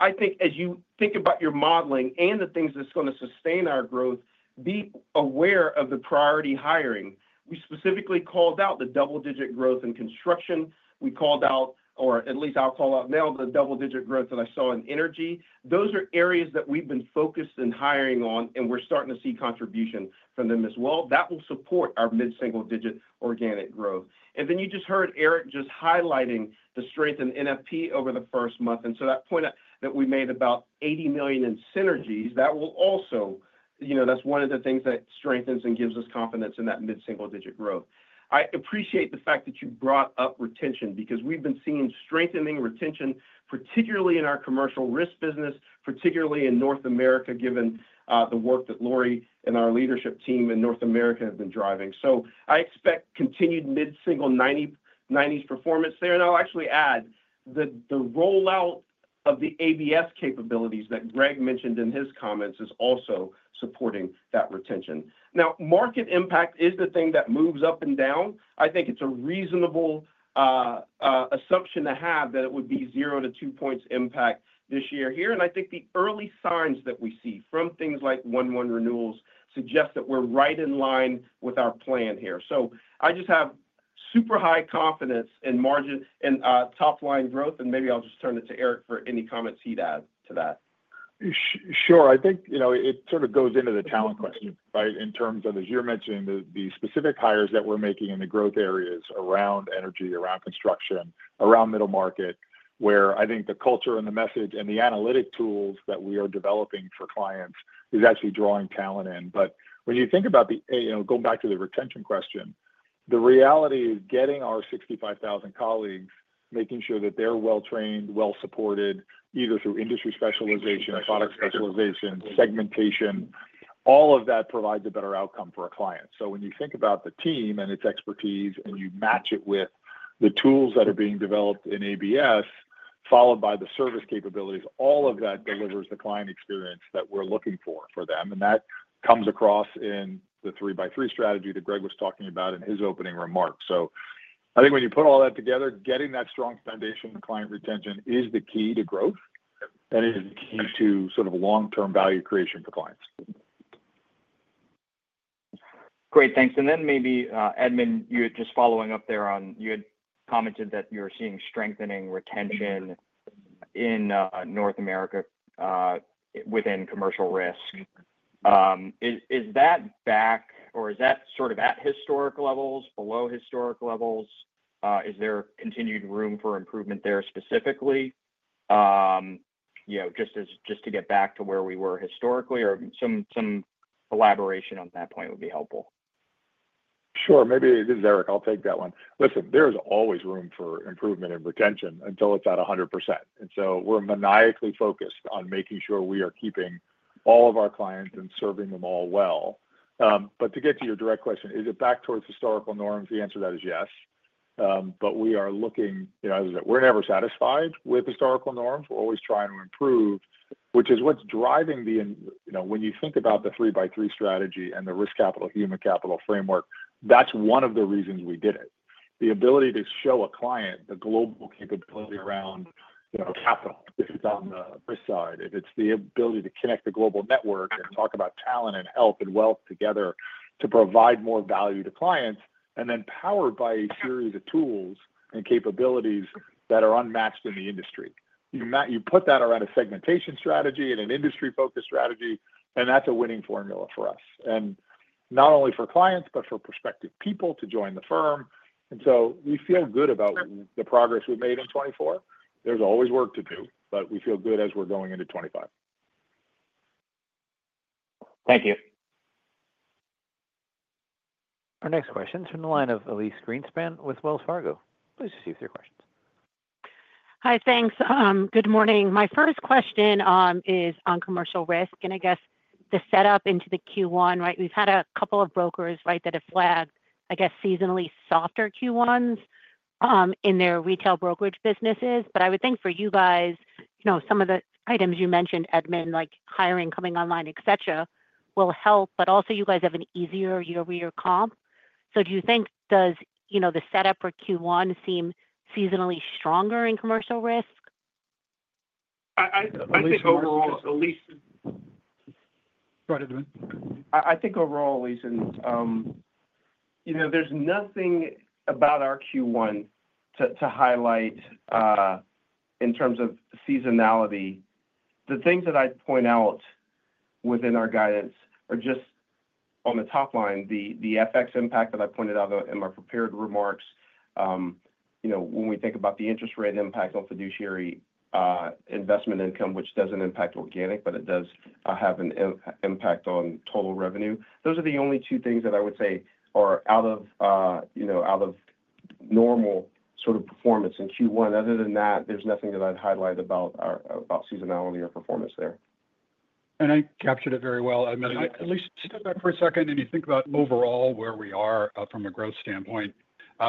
I think as you think about your modeling and the things that's going to sustain our growth, be aware of the priority hiring. We specifically called out the double-digit growth in construction. We called out, or at least I'll call out now, the double-digit growth that I saw in energy. Those are areas that we've been focused in hiring on, and we're starting to see contribution from them as well. That will support our mid-single-digit organic growth. And then you just heard Eric just highlighting the strength in NFP over the first month. And so that point that we made about $80 million in synergies, that will also. That's one of the things that strengthens and gives us confidence in that mid-single-digit growth. I appreciate the fact that you brought up retention because we've been seeing strengthening retention, particularly in our Commercial Risk business, particularly in North America, given the work that Lori and our leadership team in North America have been driving. So I expect continued mid-single 90s performance there. And I'll actually add the rollout of the ABS capabilities that Greg mentioned in his comments is also supporting that retention. Now, market impact is the thing that moves up and down. I think it's a reasonable assumption to have that it would be zero to two points impact this year here. And I think the early signs that we see from things like 1-1 renewals suggest that we're right in line with our plan here. So I just have super high confidence in margin and top-line growth. And maybe I'll just turn it to Eric for any comments he'd add to that. Sure. I think it sort of goes into the talent question, right, in terms of, as you're mentioning, the specific hires that we're making in the growth areas around energy, around construction, around middle market, where I think the culture and the message and the analytic tools that we are developing for clients is actually drawing talent in. But when you think about the, going back to the retention question, the reality is getting our 65,000 colleagues, making sure that they're well-trained, well-supported, either through industry specialization, product specialization, segmentation. All of that provides a better outcome for a client. So when you think about the team and its expertise and you match it with the tools that are being developed in ABS, followed by the service capabilities, all of that delivers the client experience that we're looking for for them. And that comes across in the 3x3 strategy that Greg was talking about in his opening remarks. So I think when you put all that together, getting that strong foundation and client retention is the key to growth and is the key to sort of long-term value creation for clients. Great. Thanks. Then maybe, Edmund, you were just following up there on, you had commented that you're seeing strengthening retention in North America within commercial risk. Is that back, or is that sort of at historic levels, below historic levels? Is there continued room for improvement there specifically, just to get back to where we were historically, or some elaboration on that point would be helpful? Sure. Maybe it is, Eric. I'll take that one. Listen, there is always room for improvement in retention until it's at 100%. And so we're maniacally focused on making sure we are keeping all of our clients and serving them all well. But to get to your direct question, is it back towards historical norms? The answer to that is yes. But we are looking, as I said, we're never satisfied with historical norms. We're always trying to improve, which is what's driving, when you think about the 3x3 strategy and the Risk capital, Human Capital framework, that's one of the reasons we did it. The ability to show a client the global capability around capital, if it's on the risk side, the ability to connect the global network and talk about talent and health and wealth together to provide more value to clients, and then powered by a series of tools and capabilities that are unmatched in the industry. You put that around a segmentation strategy and an industry-focused strategy, and that's a winning formula for us, and not only for clients, but for prospective people to join the firm, and so we feel good about the progress we've made in 2024. There's always work to do, but we feel good as we're going into 2025. Thank you. Our next question is in the line of Elyse Greenspan with Wells Fargo. Please proceed with your questions. Hi. Thanks. Good morning. My first question is on Commercial Risk. And I guess the setup into the Q1, right, we've had a couple of brokers, right, that have flagged, I guess, seasonally softer Q1s in their retail brokerage businesses. But I would think for you guys, some of the items you mentioned, Edmund, like hiring, coming online, etc., will help. But also, you guys have an easier year-to-year comp. So do you think does the setup for Q1 seem seasonally stronger in Commercial Risk? I think overall, Elyse— Go ahead, Edmund. I think overall, Elyse, and there's nothing about our Q1 to highlight in terms of seasonality. The things that I'd point out within our guidance are just on the top line, the FX impact that I pointed out in my prepared remarks. When we think about the interest rate impact on fiduciary investment income, which doesn't impact organic, but it does have an impact on total revenue. Those are the only two things that I would say are out of normal sort of performance in Q1. Other than that, there's nothing that I'd highlight about seasonality or performance there, And I captured it very well. Edmund, Elyse, sit back for a second and you think about overall where we are from a growth standpoint.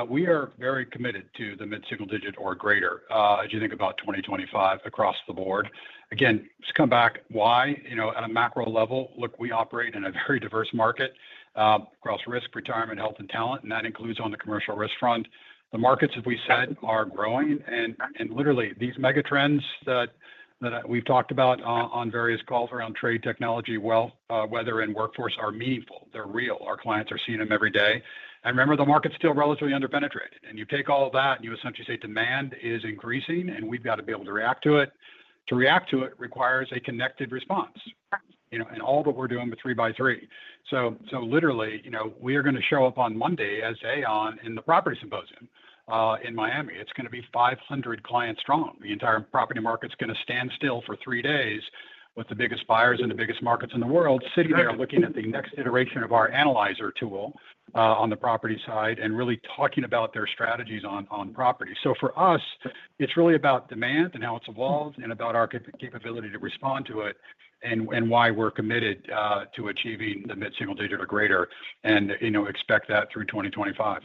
We are very committed to the mid-single digit or greater as you think about 2025 across the board. Again, just come back. Why? At a macro level, look, we operate in a very diverse market across Risk, Retirement, Health, and Talent. And that includes on the Commercial Risk front. The markets, as we said, are growing. And literally, these mega trends that we've talked about on various calls around trade, technology, wealth, weather, and workforce are meaningful. They're real. Our clients are seeing them every day. And remember, the market's still relatively underpenetrated. And you take all of that and you essentially say demand is increasing, and we've got to be able to react to it. To react to it requires a connected response. And all that we're doing with three-by-three. So literally, we are going to show up on Monday as Aon in the Property Symposium in Miami. It's going to be 500 clients strong. The entire property market's going to stand still for three days with the biggest buyers and the biggest markets in the world sitting there looking at the next iteration of our analyzer tool on the property side and really talking about their strategies on property. So for us, it's really about demand and how it's evolved and about our capability to respond to it and why we're committed to achieving the mid-single digit or greater and expect that through 2025.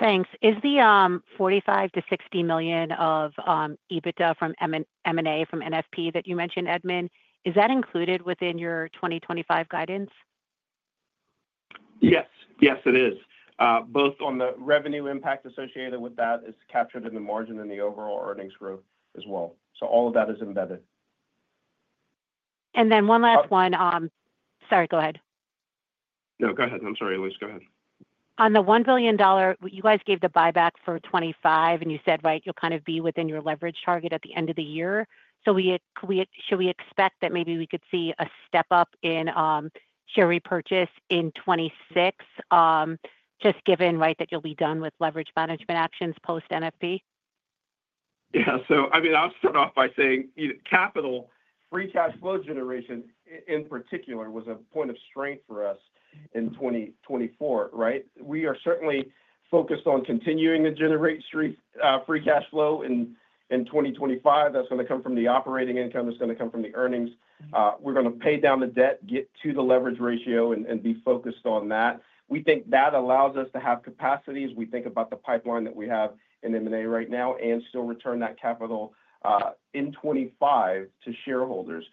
Thanks. Is the $45-60 million of EBITDA from M&A from NFP that you mentioned, Edmund, included within your 2025 guidance? Yes. Yes, it is. Both on the revenue impact associated with that is captured in the margin and the overall earnings growth as well. So all of that is embedded. And then one last one. Sorry, go ahead. No, go ahead. I'm sorry, Elyse. Go ahead. On the $1 billion, you guys gave the buyback for 2025, and you said, right, you'll kind of be within your leverage target at the end of the year. So should we expect that maybe we could see a step up in share repurchase in 2026, just given, right, that you'll be done with leverage management actions post-NFP? Yeah. So I mean, I'll start off by saying capital, free cash flow generation in particular was a point of strength for us in 2024, right? We are certainly focused on continuing to generate free cash flow in 2025. That's going to come from the operating income. It's going to come from the earnings. We're going to pay down the debt, get to the leverage ratio, and be focused on that. We think that allows us to have capacities. We think about the pipeline that we have in M&A right now and still return that capital in 2025 to shareholders.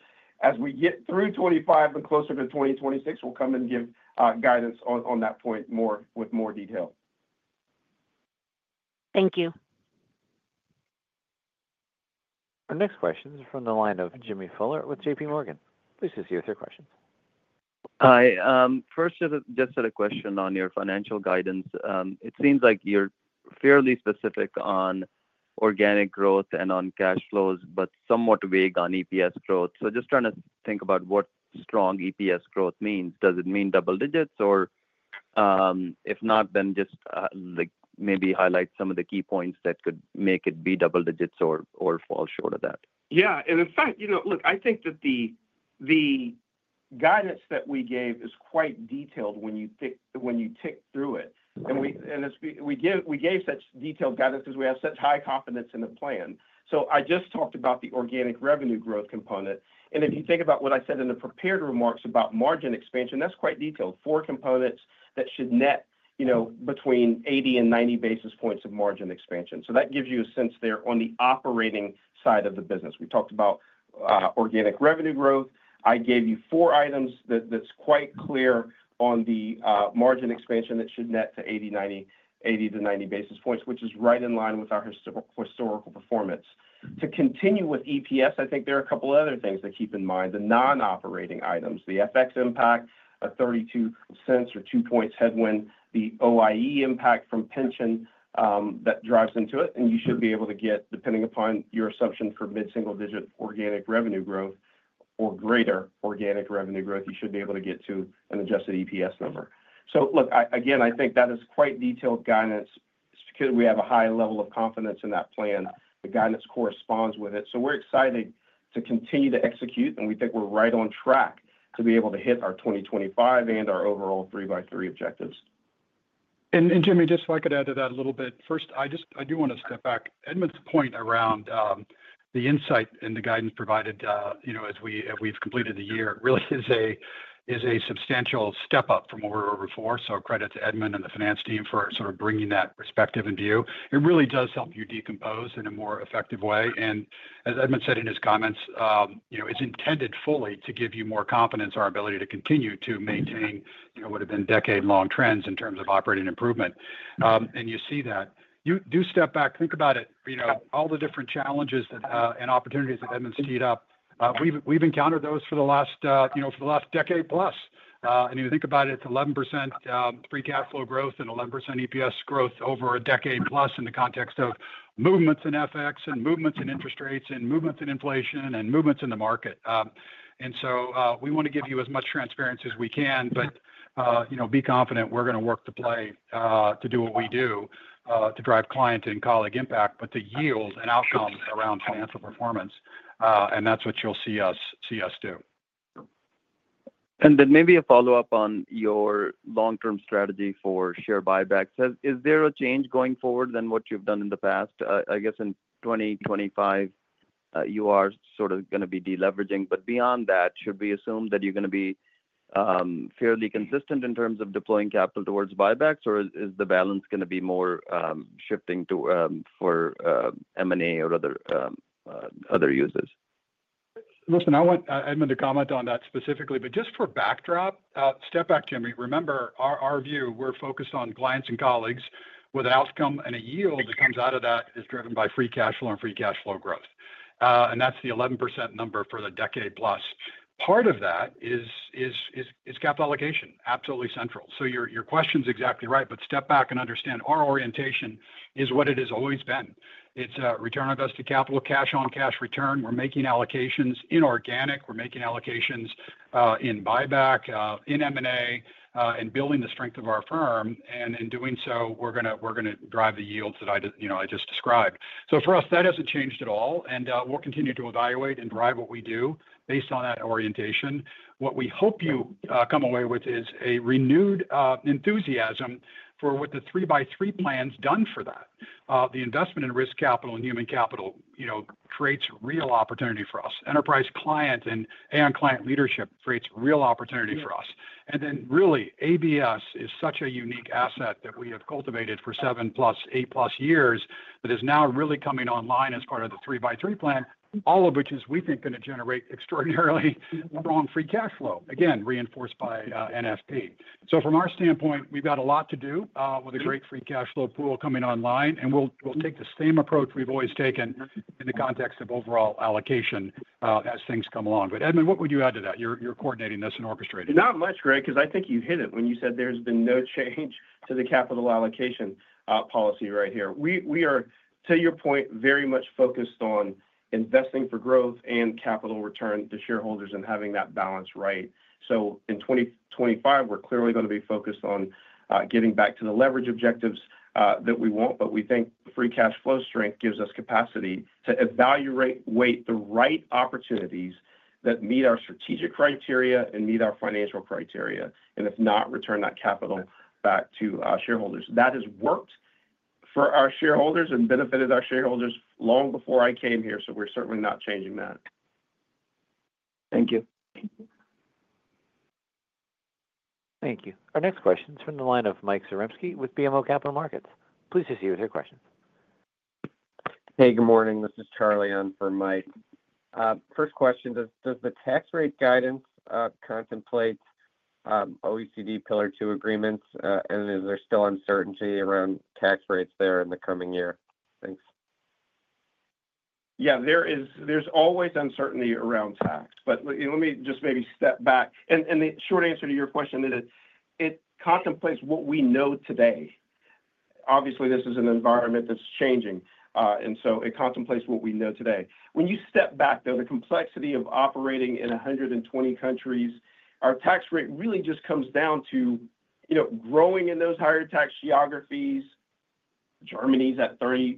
As we get through 2025 and closer to 2026, we'll come and give guidance on that point with more detail. Thank you. Our next question is from the line of Jimmy Bhullar with JPMorgan. Please proceed with your questions. Hi. First, just had a question on your financial guidance. It seems like you're fairly specific on organic growth and on cash flows, but somewhat vague on EPS growth. So just trying to think about what strong EPS growth means. Does it mean double digits? Or if not, then just maybe highlight some of the key points that could make it be double digits or fall short of that. Yeah. In fact, look, I think that the guidance that we gave is quite detailed when you tick through it. We gave such detailed guidance because we have such high confidence in the plan. I just talked about the organic revenue growth component. If you think about what I said in the prepared remarks about margin expansion, that's quite detailed. Four components that should net between 80 and 90 basis points of margin expansion. That gives you a sense there on the operating side of the business. We talked about organic revenue growth. I gave you four items that's quite clear on the margin expansion that should net to 80-90 basis points, which is right in line with our historical performance. To continue with EPS, I think there are a couple of other things to keep in mind. The non-operating items, the FX impact, a $0.32 or two points headwind, the OIE impact from pension that drives into it. And you should be able to get, depending upon your assumption for mid-single digit organic revenue growth or greater organic revenue growth, you should be able to get to an adjusted EPS number. So look, again, I think that is quite detailed guidance. We have a high level of confidence in that plan. The guidance corresponds with it. So we're excited to continue to execute. And we think we're right on track to be able to hit our 2025 and our overall 3x3 objectives. And Jimmy, just if I could add to that a little bit. First, I do want to step back. Edmund's point around the insight and the guidance provided as we've completed the year really is a substantial step up from what we were before. So credit to Edmund and the finance team for sort of bringing that perspective and view. It really does help you decompose in a more effective way, and as Edmund said in his comments, it's intended fully to give you more confidence, our ability to continue to maintain what have been decade-long trends in terms of operating improvement. You see that. You do step back. Think about it. All the different challenges and opportunities that Edmund sketched out. We've encountered those for the last decade plus, and you think about it, it's 11% free cash flow growth and 11% EPS growth over a decade plus in the context of movements in FX and movements in interest rates and movements in inflation and movements in the market. And so we want to give you as much transparency as we can, but be confident we're going to work the play to do what we do to drive client and colleague impact, but to yield an outcome around financial performance. And that's what you'll see us do. And then maybe a follow-up on your long-term strategy for share buybacks. Is there a change going forward than what you've done in the past? I guess in 2025, you are sort of going to be deleveraging. But beyond that, should we assume that you're going to be fairly consistent in terms of deploying capital towards buybacks, or is the balance going to be more shifting for M&A or other uses? Listen, I want Edmund to comment on that specifically. But just for backdrop, step back, Jimmy. Remember our view. We're focused on clients and colleagues, with an outcome and a yield that comes out of that is driven by free cash flow and free cash flow growth. And that's the 11% number for the decade plus. Part of that is capital allocation, absolutely central. So your question's exactly right, but step back and understand our orientation is what it has always been. It's return on invested capital, cash-on-cash return. We're making allocations in organic. We're making allocations in buyback, in M&A, in building the strength of our firm. And in doing so, we're going to drive the yields that I just described. So for us, that hasn't changed at all. And we'll continue to evaluate and drive what we do based on that orientation. What we hope you come away with is a renewed enthusiasm for what the 3x3 Plan's done for that. The investment in Risk Capital and human capital creates real opportunity for us. Enterprise client and Aon client leadership creates real opportunity for us. And then really, ABS is such a unique asset that we have cultivated for seven plus, eight plus years that is now really coming online as part of the 3x3 Plan, all of which is, we think, going to generate extraordinarily strong free cash flow, again, reinforced by NFP. So from our standpoint, we've got a lot to do with a great free cash flow pool coming online. And we'll take the same approach we've always taken in the context of overall allocation as things come along. But Edmund, what would you add to that? You're coordinating this and orchestrating it. Not much, Greg, because I think you hit it when you said there's been no change to the capital allocation policy right here. We are, to your point, very much focused on investing for growth and capital return to shareholders and having that balance right. So in 2025, we're clearly going to be focused on getting back to the leverage objectives that we want. But we think free cash flow strength gives us capacity to evaluate, weigh the right opportunities that meet our strategic criteria and meet our financial criteria. And if not, return that capital back to shareholders. That has worked for our shareholders and benefited our shareholders long before I came here. So we're certainly not changing that. Thank you. Thank you. Our next question is from the line of Mike Zaremski with BMO Capital Markets. Please proceed with your questions. Hey, good morning. This is Charlie on for Mike. First question, does the tax rate guidance contemplate OECD Pillar Two agreements? And is there still uncertainty around tax rates there in the coming year? Thanks. Yeah. There's always uncertainty around tax. But let me just maybe step back. And the short answer to your question, it contemplates what we know today. Obviously, this is an environment that's changing. And so it contemplates what we know today. When you step back, though, the complexity of operating in 120 countries, our tax rate really just comes down to growing in those higher tax geographies. Germany's at 33%.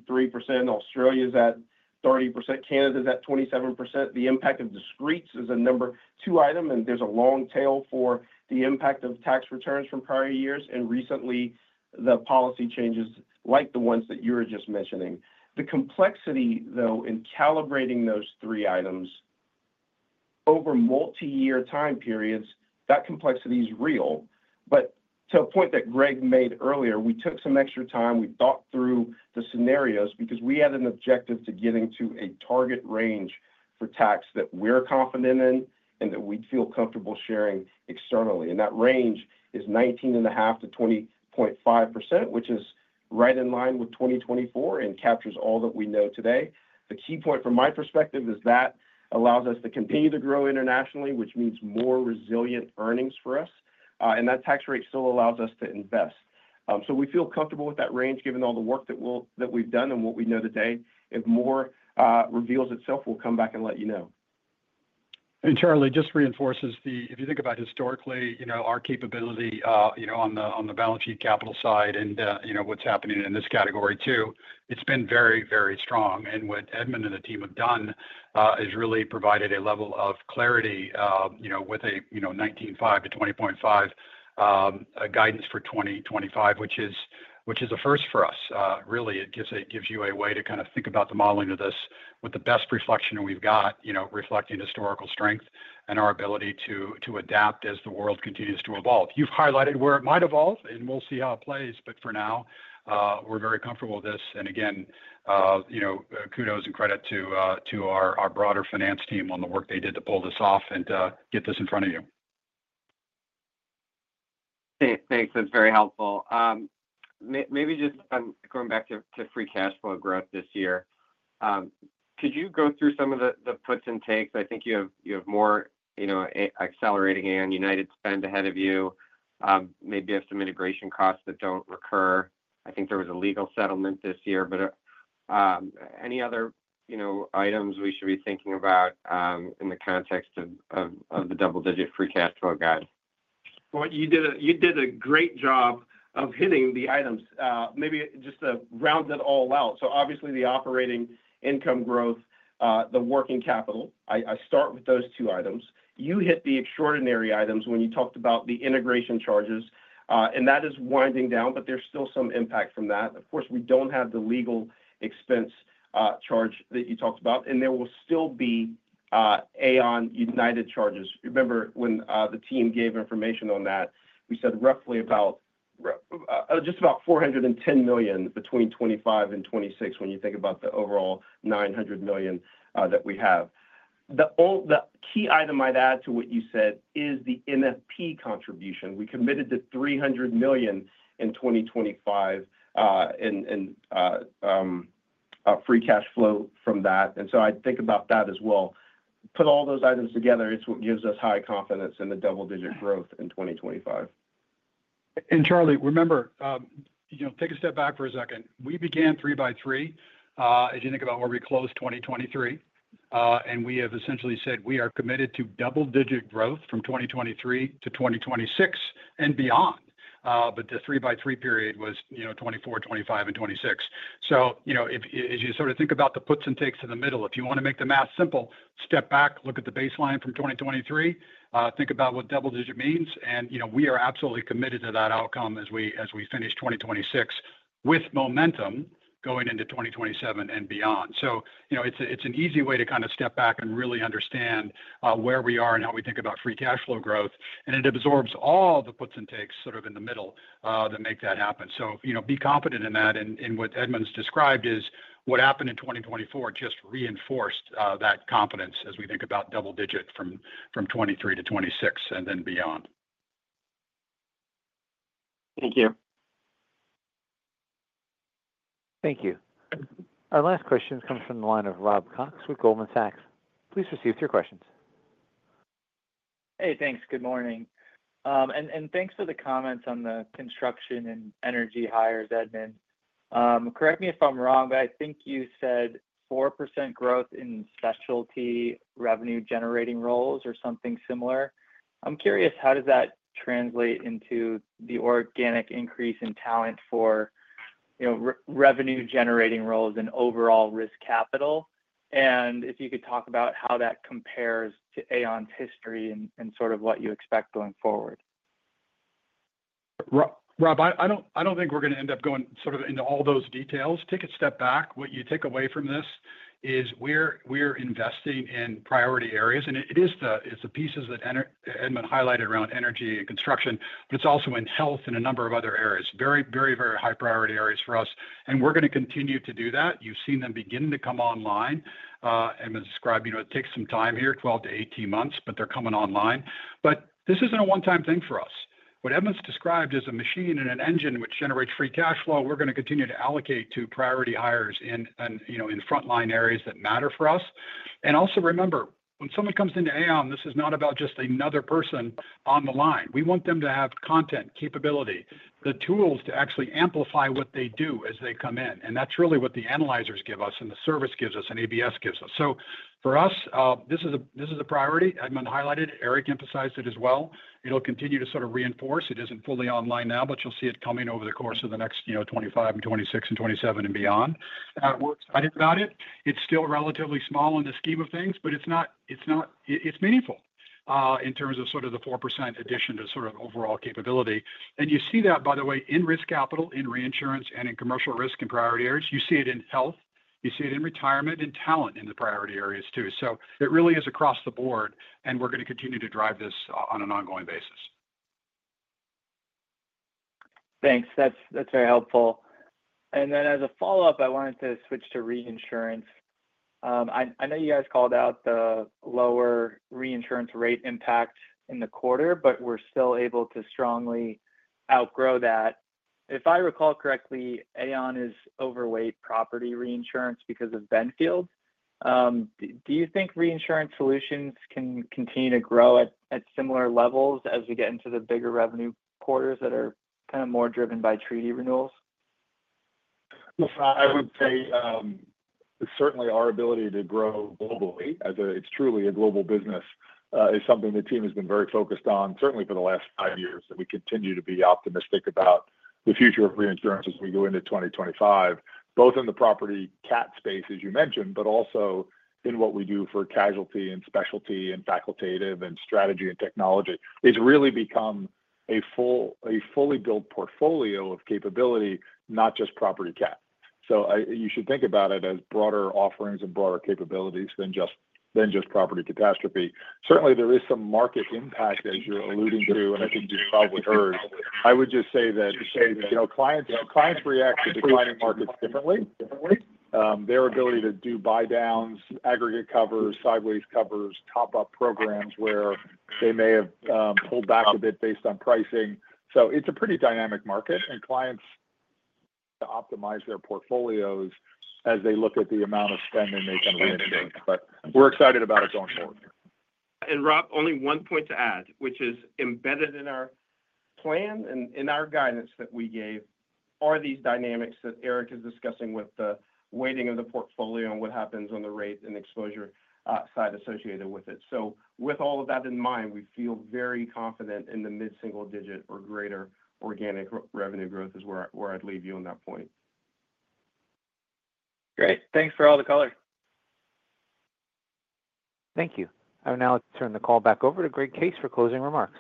Australia's at 30%. Canada's at 27%. The impact of discretes is a number two item. And there's a long tail for the impact of tax returns from prior years. And recently, the policy changes like the ones that you were just mentioning. The complexity, though, in calibrating those three items over multi-year time periods, that complexity is real. To a point that Greg made earlier, we took some extra time. We thought through the scenarios because we had an objective to getting to a target range for tax that we're confident in and that we'd feel comfortable sharing externally. And that range is 19.5%-20.5%, which is right in line with 2024 and captures all that we know today. The key point from my perspective is that allows us to continue to grow internationally, which means more resilient earnings for us. And that tax rate still allows us to invest. So we feel comfortable with that range given all the work that we've done and what we know today. If more reveals itself, we'll come back and let you know. Charlie just reinforces the, if you think about historically, our capability on the balance sheet capital side and what's happening in this category too, it's been very, very strong. What Edmund and the team have done has really provided a level of clarity with a 19.5%-20.5% guidance for 2025, which is a first for us. Really, it gives you a way to kind of think about the modeling of this with the best reflection we've got, reflecting historical strength and our ability to adapt as the world continues to evolve. You've highlighted where it might evolve, and we'll see how it plays. But for now, we're very comfortable with this. Again, kudos and credit to our broader finance team on the work they did to pull this off and get this in front of you. Thanks. That's very helpful. Maybe just going back to free cash flow growth this year, could you go through some of the puts and takes? I think you have more accelerating and United spend ahead of you. Maybe you have some integration costs that don't recur. I think there was a legal settlement this year. But any other items we should be thinking about in the context of the double-digit free cash flow guide? Well, you did a great job of hitting the items. Maybe just to round it all out. So obviously, the operating income growth, the working capital, I start with those two items. You hit the extraordinary items when you talked about the integration charges. And that is winding down, but there's still some impact from that. Of course, we don't have the legal expense charge that you talked about. And there will still be Aon United charges. Remember when the team gave information on that, we said roughly about just about $410 million between 2025 and 2026 when you think about the overall $900 million that we have. The key item I'd add to what you said is the NFP contribution. We committed to $300 million in 2025 and free cash flow from that. And so I'd think about that as well. Put all those items together, it's what gives us high confidence in the double-digit growth in 2025. And Charlie, remember, take a step back for a second. We began 3x3. If you think about where we closed 2023, and we have essentially said we are committed to double-digit growth from 2023 to 2026 and beyond. But the 3x3 period was 2024, 2025, and 2026. So as you sort of think about the puts and takes in the middle, if you want to make the math simple, step back, look at the baseline from 2023, think about what double-digit means. And we are absolutely committed to that outcome as we finish 2026 with momentum going into 2027 and beyond. So it's an easy way to kind of step back and really understand where we are and how we think about free cash flow growth. And it absorbs all the puts and takes sort of in the middle that make that happen. So be confident in that. And what Edmund's described is what happened in 2024, just reinforced that confidence as we think about double-digit from 2023 to 2026 and then beyond. Thank you. Thank you. Our last question comes from the line of Rob Cox with Goldman Sachs. Please proceed with your questions. Hey, thanks. Good morning. And thanks for the comments on the construction and energy hires, Edmund. Correct me if I'm wrong, but I think you said 4% growth in specialty revenue-generating roles or something similar. I'm curious, how does that translate into the organic increase in talent for revenue-generating roles and overall risk capital? And if you could talk about how that compares to Aon's history and sort of what you expect going forward. Rob, I don't think we're going to end up going sort of into all those details. Take a step back. What you take away from this is we're investing in priority areas. And it is the pieces that Edmund highlighted around energy and construction, but it's also in health and a number of other areas. Very, very, very high priority areas for us. And we're going to continue to do that. You've seen them begin to come online. Edmund described it takes some time here, 12-18 months, but they're coming online. But this isn't a one-time thing for us. What Edmund's described as a machine and an engine which generates free cash flow, we're going to continue to allocate to priority hires in frontline areas that matter for us. And also remember, when someone comes into Aon, this is not about just another person on the line. We want them to have content, capability, the tools to actually amplify what they do as they come in. And that's really what the analyzers give us and the service gives us and ABS gives us. So for us, this is a priority. Edmund highlighted it. Eric emphasized it as well. It'll continue to sort of reinforce. It isn't fully online now, but you'll see it coming over the course of the next 2025 and 2026 and 2027 and beyond. Not worried about it. It's still relatively small in the scheme of things, but it's meaningful in terms of sort of the 4% addition to sort of overall capability. And you see that, by the way, in Risk Capital, in Reinsurance, and in Commercial Risk and priority areas. You see it in health. You see it in retirement and talent in the priority areas too. So it really is across the board. And we're going to continue to drive this on an ongoing basis. Thanks. That's very helpful. And then as a follow-up, I wanted to switch to Reinsurance. I know you guys called out the lower Reinsurance rate impact in the quarter, but we're still able to strongly outgrow that. If I recall correctly, Aon is overweight property Reinsurance because of Benfield. Do you think Reinsurance solutions can continue to grow at similar levels as we get into the bigger revenue quarters that are kind of more driven by treaty renewals? I would say certainly our ability to grow globally, as it's truly a global business, is something the team has been very focused on, certainly for the last five years, that we continue to be optimistic about the future of Reinsurance as we go into 2025, both in the property CAT space, as you mentioned, but also in what we do for casualty and specialty and facultative and strategy and technology. It's really become a fully built portfolio of capability, not just property CAT. So you should think about it as broader offerings and broader capabilities than just property catastrophe. Certainly, there is some market impact, as you're alluding to, and I think you've probably heard. I would just say that clients react to declining markets differently. Their ability to do buy-downs, aggregate covers, sideways covers, top-up programs where they may have pulled back a bit based on pricing. So it's a pretty dynamic market. And clients optimize their portfolios as they look at the amount of spend they make on Reinsurance. But we're excited about it going forward. And Rob, only one point to add, which is embedded in our plan and in our guidance that we gave are these dynamics that Eric is discussing with the weighting of the portfolio and what happens on the rate and exposure side associated with it. So, with all of that in mind, we feel very confident in the mid-single digit or greater organic revenue growth is where I'd leave you on that point. Great. Thanks for all the color. Thank you. I will now turn the call back over to Greg Case for closing remarks.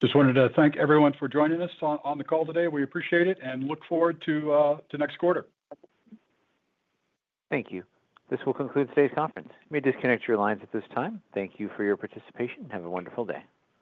Just wanted to thank everyone for joining us on the call today. We appreciate it and look forward to next quarter. Thank you. This will conclude today's conference. We disconnect your lines at this time. Thank you for your participation. Have a wonderful day.